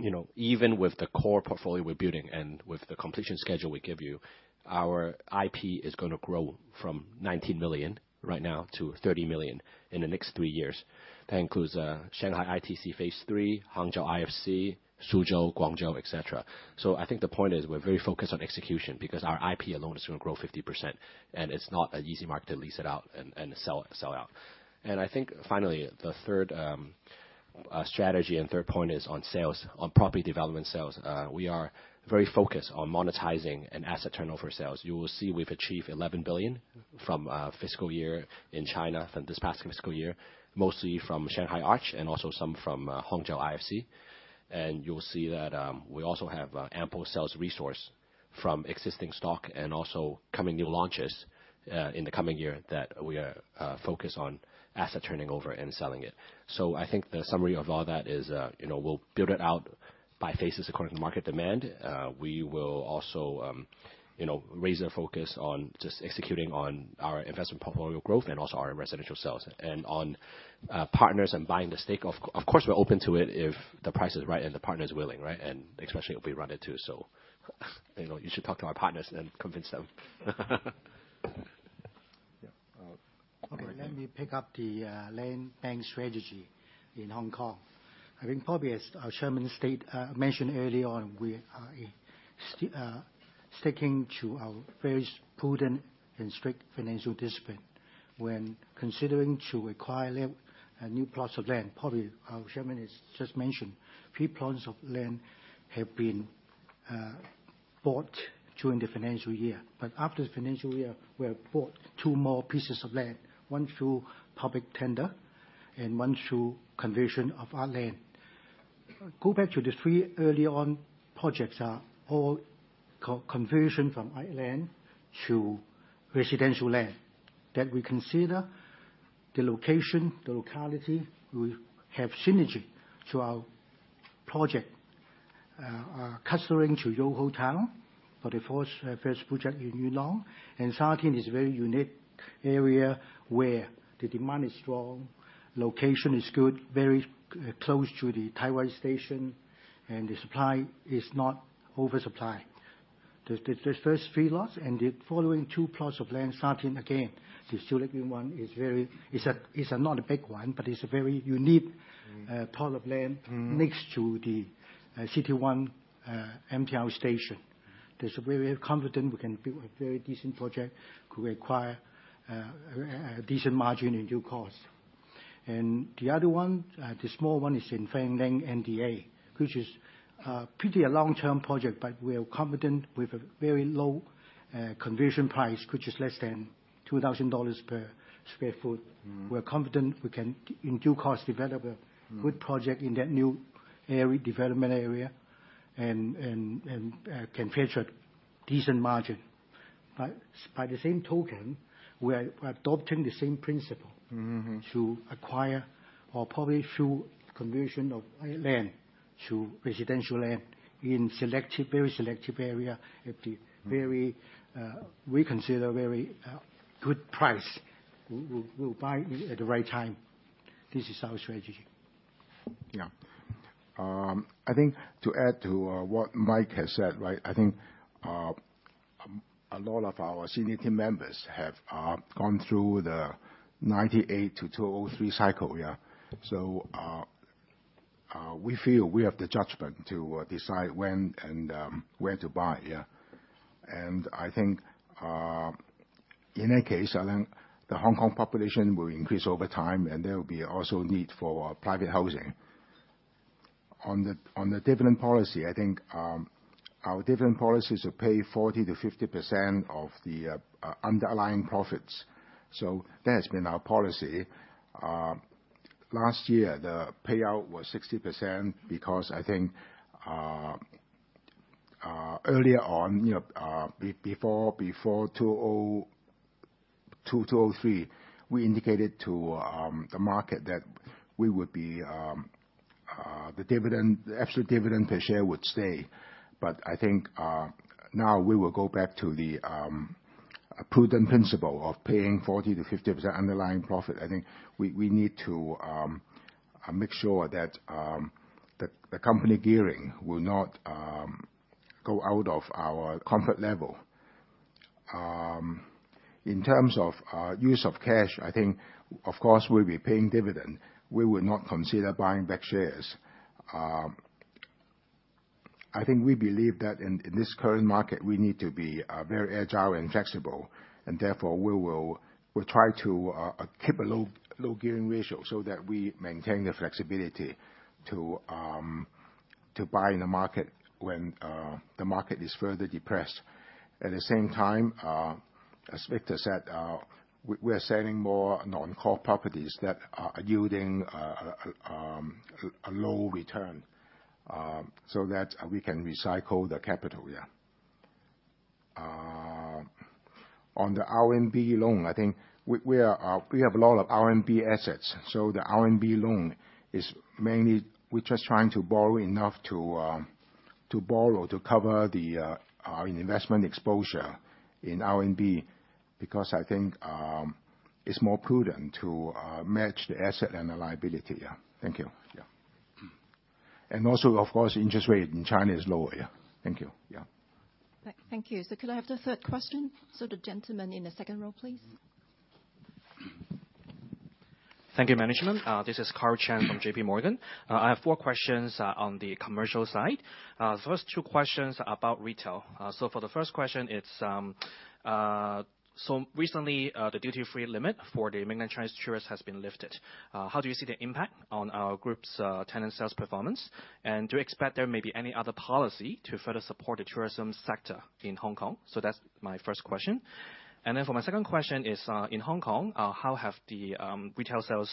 you know, even with the core portfolio we're building and with the completion schedule we give you, our IP is going to grow from 19 million right now to 30 million in the next three years. That includes, Shanghai ITC Phase 3, Hangzhou IFC, Suzhou, Guangzhou, etc.. I think the point is, we're very focused on execution, because our IP alone is going to grow 50%, and it's not an easy market to lease it out and sell out. I think finally, the third strategy and third point is on sales. On property development sales, we are very focused on monetizing an asset turnover sales. You will see we've achieved 11 billion from fiscal year in China, from this past fiscal year, mostly from Shanghai Arch and also some from Hangzhou IFC. You'll see that we also have ample sales resource from existing stock and also coming new launches in the coming year, that we are focused on asset turning over and selling it. So I think the summary of all that is, you know, we'll build it out by phases according to market demand. We will also, you know, raise the focus on just executing on our investment portfolio growth and also our residential sales. And on, partners and buying the stake, of course, we're open to it if the price is right and the partner is willing, right? And especially if we run it, too. So you know, you should talk to our partners and convince them. Yeah, uh- Okay, let me pick up the land bank strategy in Hong Kong. I think probably as our chairman stated, mentioned early on, we are sticking to our very prudent and strict financial discipline when considering to acquire land, new plots of land. Probably, our chairman has just mentioned, three plots of land have been bought during the financial year. But after the financial year, we have bought two more pieces of land, one through public tender and one through conversion of our land. Go back to the three early on projects are all conversion from industrial to residential land, that we consider the location, the locality, will have synergy to our project, clustering to Yoho Town for the first project in Yuen Long. Sha Tin is a very unique area where the demand is strong, location is good, very close to the Tai Wai station, and the supply is not oversupply. The first three lots and the following two plots of land, Sha Tin again, the Sha Tin one is very. It's a, it's not a big one, but it's a very unique plot of land. Mm-hmm... next to the City One MTR station. So we are confident we can build a very decent project to acquire a decent margin in due course. And the other one, the small one, is in Fanling NDA, which is pretty a long-term project, but we are confident with a very low conversion price, which is less than 2,000 dollars per sq ft. Mm-hmm. We're confident we can, in due course, develop a- Mm. good project in that new area, development area, and can fetch a decent margin, but by the same token, we are adopting the same principle. Mm-hmm. To acquire or probably through conversion of land, to residential land in selective, very selective area, at the very good price. We consider very good price. We'll buy at the right time. This is our strategy. Yeah. I think to add to what Mike has said, right? I think a lot of our senior team members have gone through the 1998 to 2003 cycle. Yeah. So we feel we have the judgment to decide when and where to buy, yeah. And I think in that case, I think the Hong Kong population will increase over time, and there will be also need for private housing. On the dividend policy, I think our dividend policy is to pay 40%-50% of the underlying profits. So that has been our policy. Last year, the payout was 60%, because I think, earlier on, you know, before 2023, we indicated to the market that the actual dividend per share would stay. But I think, now we will go back to the prudent principle of paying 40%-50% underlying profit. I think we need to make sure that the company gearing will not go out of our comfort level. In terms of use of cash, I think, of course, we'll be paying dividend. We will not consider buying back shares. I think we believe that in this current market, we need to be very agile and flexible, and therefore, we will try to keep a low gearing ratio, so that we maintain the flexibility to buy in the market when the market is further depressed. At the same time, as Victor said, we're selling more non-core properties that are yielding a low return, so that we can recycle the capital, yeah. On the RMB loan, I think we have a lot of RMB assets, so the RMB loan is mainly, we're just trying to borrow enough to borrow to cover our investment exposure in RMB, because I think it's more prudent to match the asset and the liability. Yeah. Thank you. Yeah. And also, of course, interest rate in China is lower. Yeah. Thank you. Yeah. Thank you. So could I have the third question? So the gentleman in the second row, please. Thank you, management. This is Karl Chan from JPMorgan. I have four questions on the commercial side. The first two questions about retail. So for the first question, it's so recently the duty-free limit for the mainland Chinese tourists has been lifted. How do you see the impact on our group's tenant sales performance? And do you expect there may be any other policy to further support the tourism sector in Hong Kong? So that's my first question. And then for my second question is in Hong Kong how have the retail sales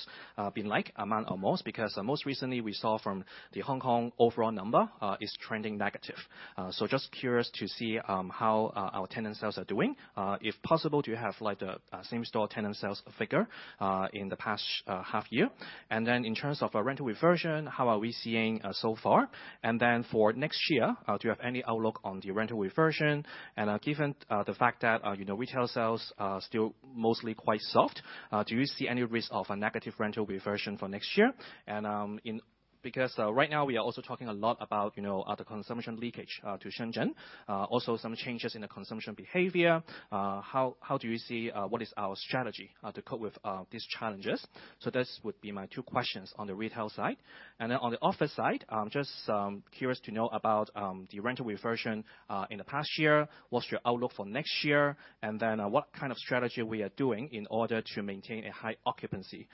been like, among our malls? Because most recently, we saw from the Hong Kong overall number is trending negative. So just curious to see how our tenant sales are doing. If possible, do you have, like, the same store tenant sales figure in the past half year? And then in terms of our rental reversion, how are we seeing so far? And then for next year, do you have any outlook on the rental reversion? And, given the fact that, you know, retail sales are still mostly quite soft, do you see any risk of a negative rental reversion for next year? And, because right now, we are also talking a lot about, you know, other consumption leakage to Shenzhen, also some changes in the consumption behavior. How do you see what is our strategy to cope with these challenges? So this would be my two questions on the retail side. And then on the office side, I'm just curious to know about the rental reversion in the past year. What's your outlook for next year? And then, what kind of strategy we are doing in order to maintain a high occupancy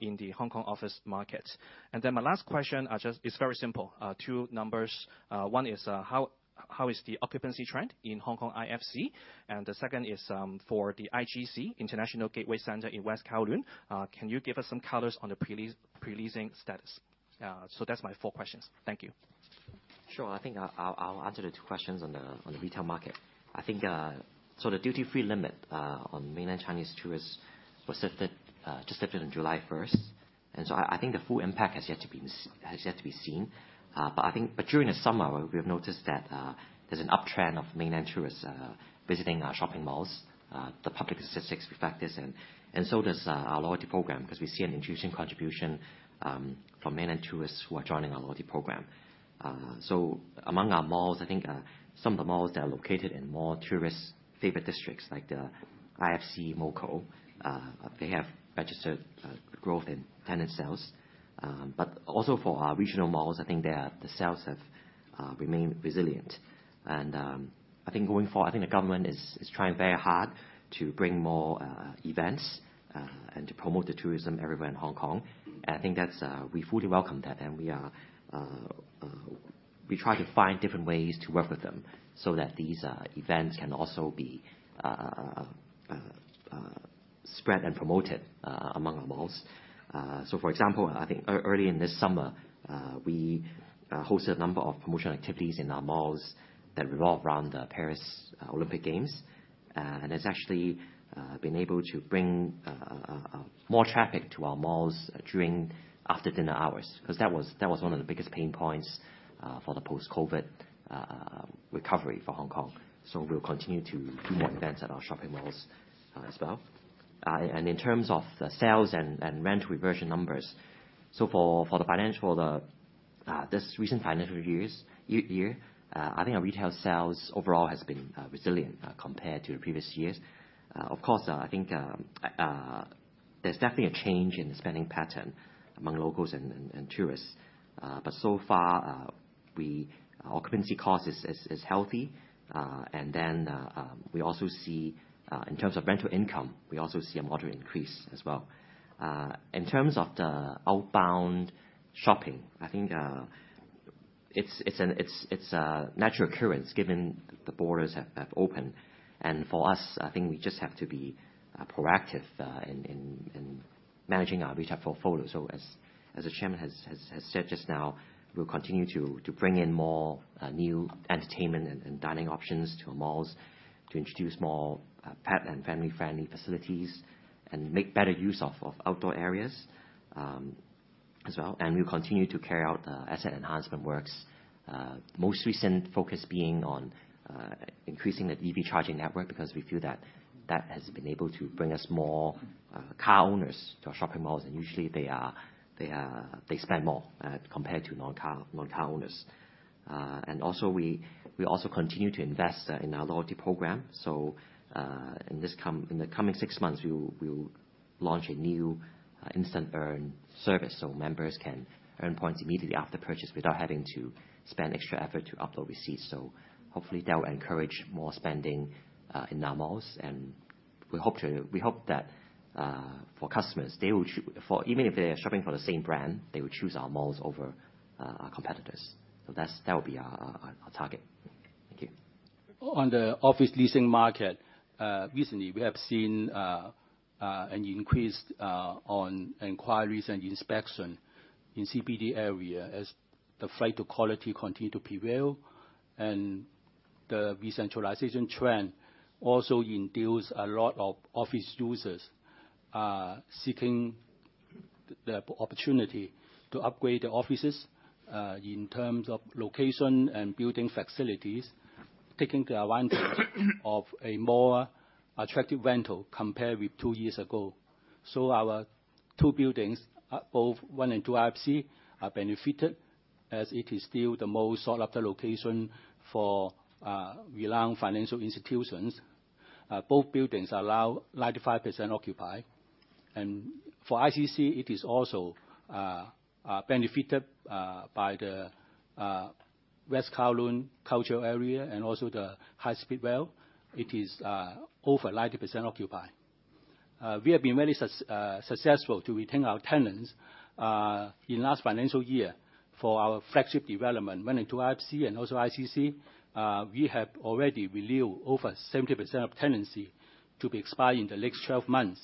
in the Hong Kong office market? And then my last question, it's very simple, two numbers. One is, how is the occupancy trend in Hong Kong IFC? And the second is, for the IGC, International Gateway Centre in West Kowloon, can you give us some color on the pre-leasing status? So that's my four questions. Thank you. Sure. I think I'll answer the two questions on the retail market. I think, so the duty-free limit on mainland Chinese tourists was lifted just on July 1st. And so I think the full impact has yet to be seen. But I think during the summer, we have noticed that there's an uptrend of mainland tourists visiting our shopping malls. The public statistics reflect this, and so does our loyalty program, 'cause we see an increasing contribution from mainland tourists who are joining our loyalty program. So among our malls, I think some of the malls that are located in more tourist-favorite districts, like the IFC, Mong Kok, they have registered growth in tenant sales. But also for our regional malls, I think the sales have remained resilient. And I think going forward, I think the government is trying very hard to bring more events and to promote the tourism everywhere in Hong Kong. And I think that's. We fully welcome that, and we are... we try to find different ways to work with them, so that these events can also be spread and promoted among our malls. So for example, I think early in this summer, we hosted a number of promotional activities in our malls that revolved around the Paris Olympic Games. And it's actually been able to bring more traffic to our malls during after dinner hours, because that was one of the biggest pain points for the post-COVID recovery for Hong Kong. So we'll continue to do more events at our shopping malls as well. In terms of the sales and rental reversion numbers, so for this recent financial year, I think our retail sales overall has been resilient, compared to the previous years. Of course, I think there's definitely a change in the spending pattern among locals and tourists, but so far our occupancy cost is healthy, and then we also see, in terms of rental income, we also see a moderate increase as well. In terms of the outbound shopping, I think it's a natural occurrence, given the borders have opened, and for us I think we just have to be proactive in managing our retail portfolio. As the chairman has said just now, we'll continue to bring in more new entertainment and dining options to our malls, to introduce more pet and family-friendly facilities, and make better use of outdoor areas, as well. We'll continue to carry out asset enhancement works. Most recent focus being on increasing the EV charging network, because we feel that that has been able to bring us more car owners to our shopping malls, and usually they spend more compared to non-car owners. Also we continue to invest in our loyalty program. So, in the coming six months, we will launch a new instant earn service, so members can earn points immediately after purchase without having to spend extra effort to upload receipts. Hopefully, that will encourage more spending in our malls, and we hope that for customers, even if they are shopping for the same brand, they will choose our malls over our competitors. That would be our target. Thank you. On the office leasing market, recently, we have seen an increase on inquiries and inspection in CBD area as the flight to quality continue to prevail, and the decentralization trend also induce a lot of office users seeking the opportunity to upgrade the offices in terms of location and building facilities, taking the advantage of a more attractive rental compared with two years ago. So our two buildings, both one and two IFC, are benefited, as it is still the most sought-after location for world's financial institutions. Both buildings are now 95% occupied. And for ICC, it is also benefited by the West Kowloon Cultural Area and also the high-speed rail. It is over 90% occupied. We have been very successful to retain our tenants in last financial year for our flagship development, one and two IFC, and also ICC. We have already renewed over 70% of tenancy to be expired in the next 12 months.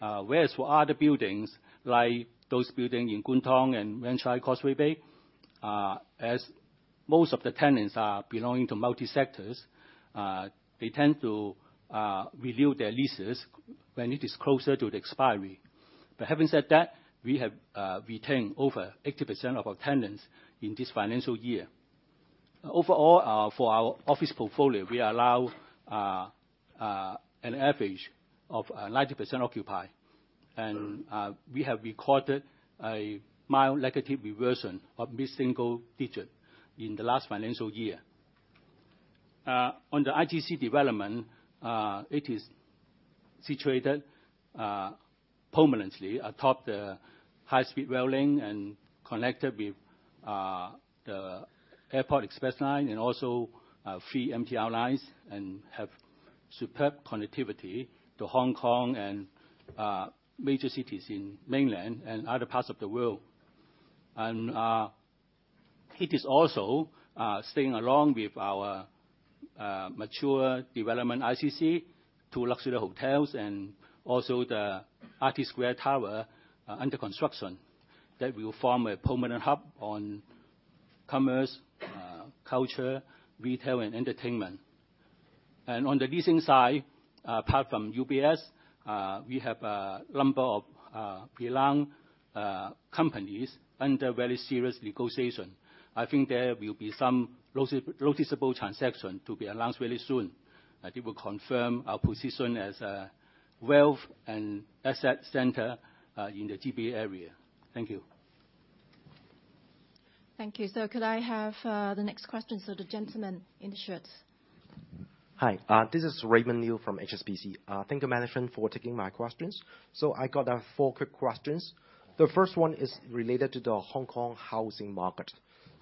Whereas for other buildings, like those building in Kwun Tong and Wan Chai Causeway Bay, as most of the tenants are belonging to multi-sectors, they tend to renew their leases when it is closer to the expiry. But having said that, we have retained over 80% of our tenants in this financial year. Overall, for our office portfolio, we are now an average of 90% occupied, and we have recorded a mild negative reversion of mid-single digit in the last financial year. On the IGC development, it is situated permanently atop the high-speed rail link and connected with the Airport Express line and also three MTR lines and have superb connectivity to Hong Kong and major cities in mainland and other parts of the world. It is also staying along with our mature development, ICC, two luxury hotels, and also the Artist Square Towers under construction, that will form a permanent hub on commerce, culture, retail, and entertainment. On the leasing side, apart from UBS, we have a number of blue-chip companies under very serious negotiation. I think there will be some noticeable transaction to be announced very soon, that will confirm our position as a wealth and asset center in the GBA area. Thank you. Thank you. So could I have the next question? So the gentleman in the shirt. Hi, this is Raymond Liu from HSBC. Thank you, management, for taking my questions. So I got four quick questions. The first one is related to the Hong Kong housing market.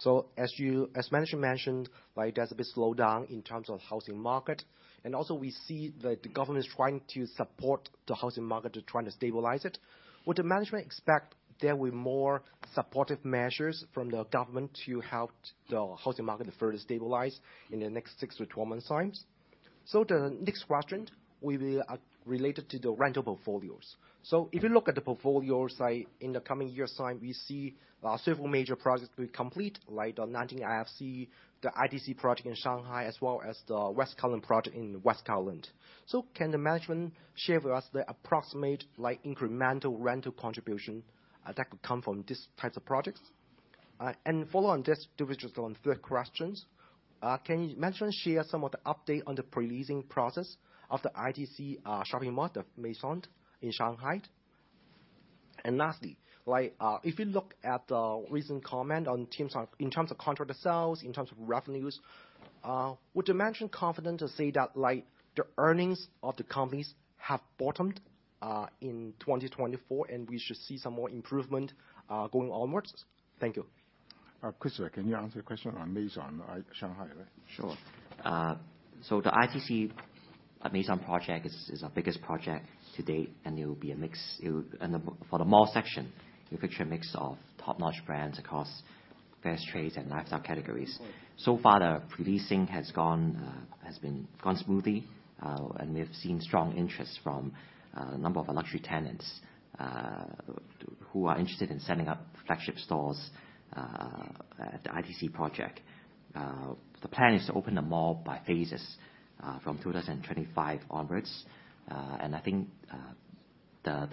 So as you, as management mentioned, like, there's a bit slowdown in terms of housing market, and also we see that the government is trying to support the housing market to try to stabilize it. Would the management expect there will be more supportive measures from the government to help the housing market to further stabilize in the next six to 12 months' times? So the next question will be related to the rental portfolios. So if you look at the portfolio side in the coming years' time, we see several major projects being complete, like the Nanjing IFC, the ITC project in Shanghai, as well as the West Kowloon project in West Kowloon. Can the management share with us the approximate, like, incremental rental contribution that could come from these types of projects? And follow on this, to the third question, can you share some of the update on the pre-leasing process of the ITC shopping mall, the Maison, in Shanghai? And lastly, like, if you look at the recent comments on the measures in terms of contract sales, in terms of revenues, would you be confident to say that, like, the earnings of the company have bottomed in twenty twenty-four, and we should see some more improvement going onwards? Thank you. Christopher, can you answer your question on Maison, Shanghai, right? Sure. So the ITC Maison project is our biggest project to date, and it will be a mix. For the mall section, you picture a mix of top-notch brands across fast trades and lifestyle categories. So far, the pre-leasing has gone smoothly, and we've seen strong interest from a number of our luxury tenants who are interested in setting up flagship stores at the ITC project. The plan is to open the mall by phases from two thousand and twenty-five onwards, and I think the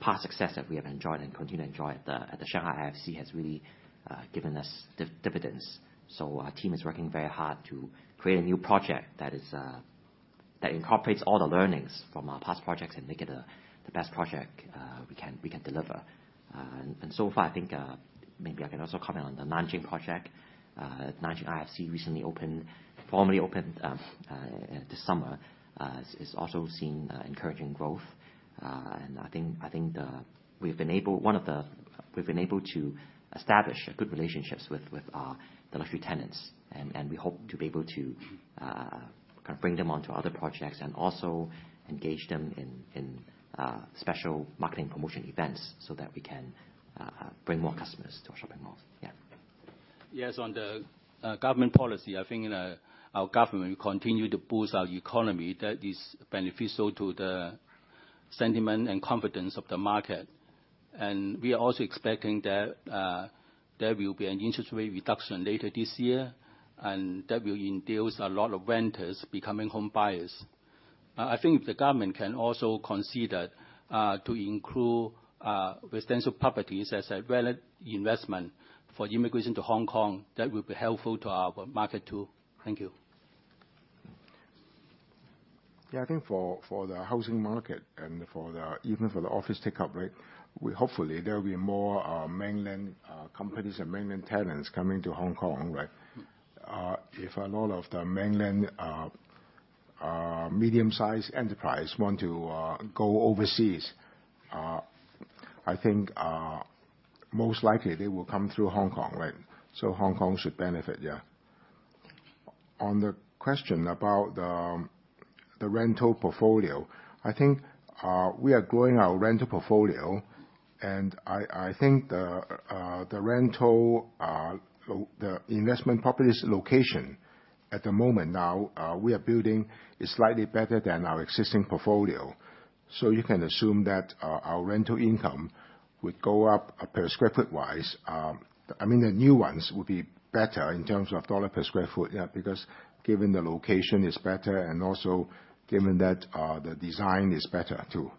past success that we have enjoyed and continue to enjoy at the Shanghai IFC has really given us dividends. So our team is working very hard to create a new project that incorporates all the learnings from our past projects and make it the best project we can deliver. And so far, I think maybe I can also comment on the Nanjing project. Nanjing IFC recently opened, formally opened this summer, is also seeing encouraging growth. And I think we've been able to establish good relationships with the luxury tenants. And we hope to be able to kind of bring them onto other projects and also engage them in special marketing promotion events, so that we can bring more customers to our shopping malls. Yeah. Yes, on the government policy, I think our government will continue to boost our economy. That is beneficial to the sentiment and confidence of the market. And we are also expecting that there will be an interest rate reduction later this year, and that will induce a lot of renters becoming home buyers. I think the government can also consider to include residential properties as a valid investment for immigration to Hong Kong. That will be helpful to our market, too. Thank you. Yeah, I think for the housing market and for the even for the office take-up rate, we hopefully there will be more mainland companies and mainland tenants coming to Hong Kong, right? If a lot of the mainland medium-sized enterprise want to go overseas, I think most likely they will come through Hong Kong, right? So Hong Kong should benefit, yeah. On the question about the rental portfolio, I think we are growing our rental portfolio, and I think the rental the investment properties location at the moment now we are building is slightly better than our existing portfolio. So you can assume that our rental income would go up per square foot wise. I mean, the new ones will be better in terms of HK$ per sq ft, yeah, because given the location is better and also given that, the design is better, too.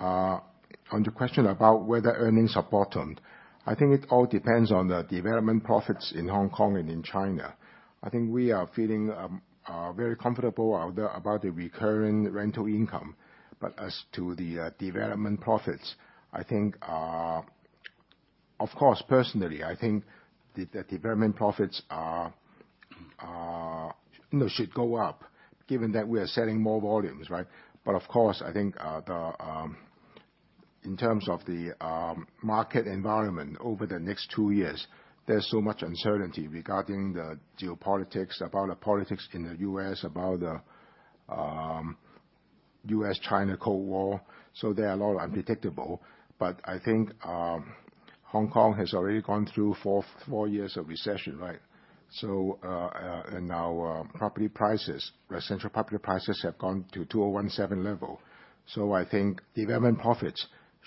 On the question about whether earnings have bottomed, I think it all depends on the development profits in Hong Kong and in China. I think we are feeling, very comfortable out there about the recurring rental income. But as to the, development profits, I think, of course, personally, I think the development profits are, you know, should go up, given that we are selling more volumes, right? But of course, I think, the, in terms of the, market environment over the next two years, there's so much uncertainty regarding the geopolitics, about the politics in the U.S., about the, U.S.-China Cold War. So there are a lot of unpredictables, but I think Hong Kong has already gone through four years of recession, right? So, and now, property prices, residential property prices have gone to 2017 level. So I think development profits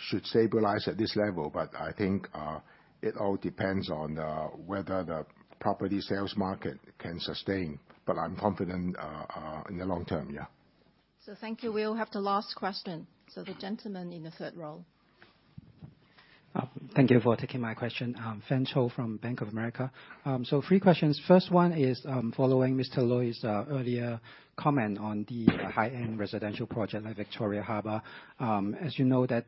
should stabilize at this level, but I think it all depends on whether the property sales market can sustain. But I'm confident in the long term, yeah. So thank you. We'll have the last question. So the gentleman in the third row. Thank you for taking my question. I'm Brian Cho from Bank of America. So three questions. First one is, following Mr. Lui's earlier comment on the high-end residential project at Victoria Harbour. As you know, the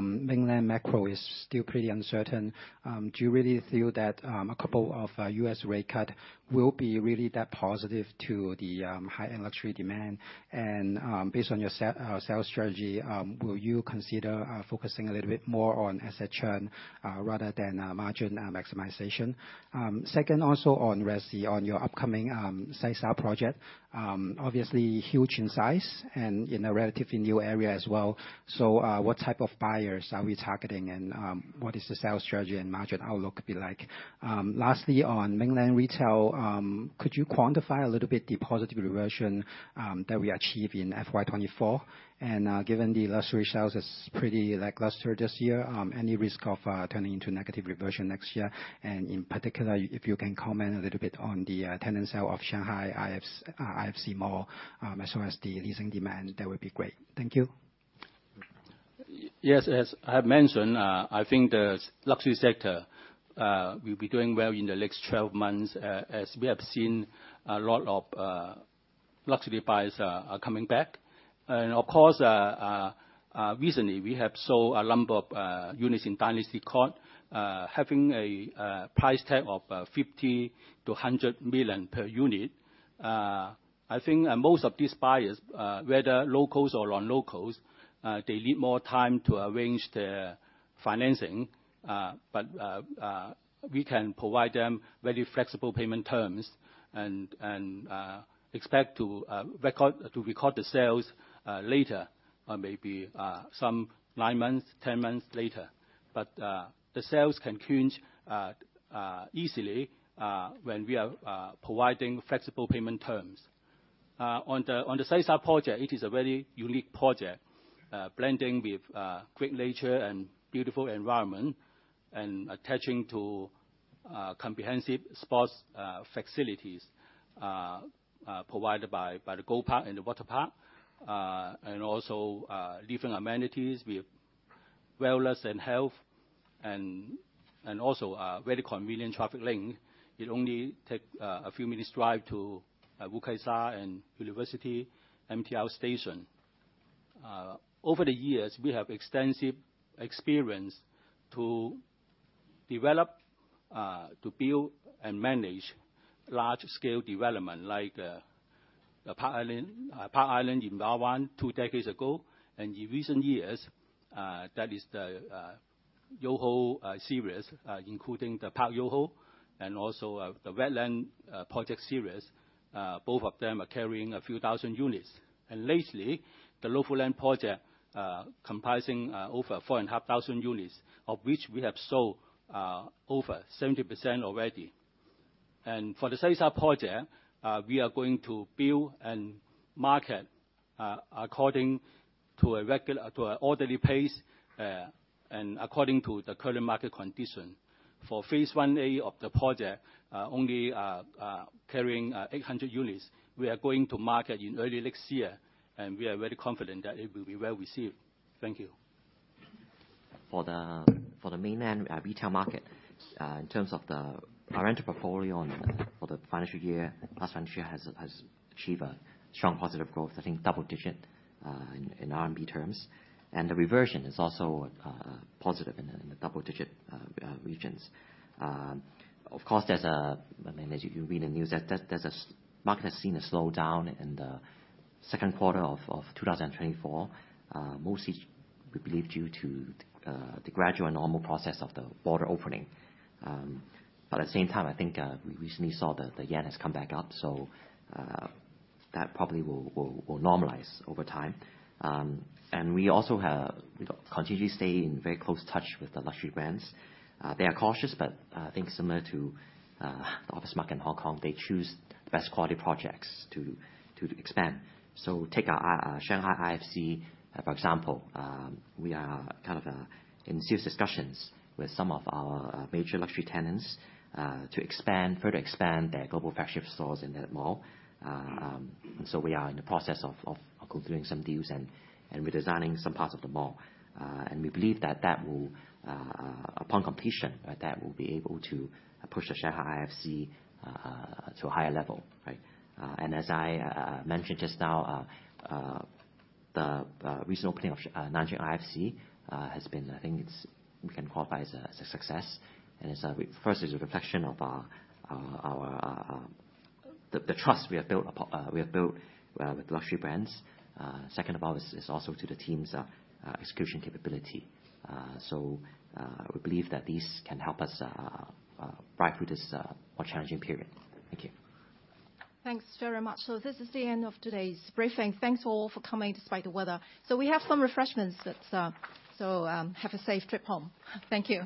mainland macro is still pretty uncertain, do you really feel that a couple of US rate cut will be really that positive to the high-end luxury demand? And, based on your sales strategy, will you consider focusing a little bit more on asset churn rather than margin maximization? Second, also on resi, on your upcoming Sai Sha project. Obviously, huge in size and in a relatively new area as well. So, what type of buyers are we targeting, and what is the sales strategy and margin outlook be like? Lastly, on mainland retail, could you quantify a little bit the positive reversion that we achieve in FY 2024? And, given the luxury sales is pretty lackluster this year, any risk of turning into negative reversion next year? And in particular, if you can comment a little bit on the tenant sale of Shanghai IFC Mall, as well as the leasing demand, that would be great. Thank you.... Yes, as I have mentioned, I think the luxury sector will be doing well in the next 12 months, as we have seen a lot of luxury buyers are coming back. And of course, recently, we have sold a number of units in Dynasty Court, having a price tag of 50 million-100 million per unit. I think most of these buyers, whether locals or non-locals, they need more time to arrange their financing. But we can provide them very flexible payment terms and expect to record the sales later, or maybe some nine months, 10 months later. But the sales can change easily when we are providing flexible payment terms. On the Sai Sha project, it is a very unique project, blending with great nature and beautiful environment, and attaching to comprehensive sports facilities provided by the Go Park and the water park. And also, different amenities with wellness and health and also a very convenient traffic link. It only take a few minutes drive to Wu Kai Sha and University MTR station. Over the years, we have extensive experience to develop to build and manage large-scale development, like the Park Island in Ma Wan, two decades ago. And in recent years, that is the Yoho series, including the Park Yoho and also the Wetland project series. Both of them are carrying a few thousand units. Lately, the Novo Land project comprising over 4,500 units, of which we have sold over 70% already. For the Sai Sha project, we are going to build and market according to an orderly pace and according to the current market condition. For Phase 1A of the project, only carrying 800 units, we are going to market in early next year, and we are very confident that it will be well received. Thank you. For the mainland retail market, in terms of our rental portfolio on the mainland for the financial year, last financial year has achieved a strong positive growth, I think double digit in RMB terms. And the reversion is also positive in the double digit regions. Of course, there's a. I mean, as you can read in the news, that the market has seen a slowdown in the second quarter of 2024, mostly we believe due to the gradual and normal process of the border opening. But at the same time, I think we recently saw the yen has come back up, so that probably will normalize over time. And we also have. We continuously stay in very close touch with the luxury brands. They are cautious, but I think similar to the office market in Hong Kong, they choose the best quality projects to expand. So take our Shanghai IFC, for example. We are kind of in serious discussions with some of our major luxury tenants to further expand their global flagship stores in the mall. So we are in the process of concluding some deals, and redesigning some parts of the mall. And we believe that will, upon completion, be able to push the Shanghai IFC to a higher level, right? And as I mentioned just now, the recent opening of Nanjing IFC has been, I think it's, we can qualify as a success. And it's first, it's a reflection of the trust we have built with luxury brands. Second of all, is also to the team's execution capability. So, we believe that this can help us thrive through this more challenging period. Thank you. Thanks very much. So this is the end of today's briefing. Thanks all for coming, despite the weather. So we have some refreshments that, So, have a safe trip home. Thank you.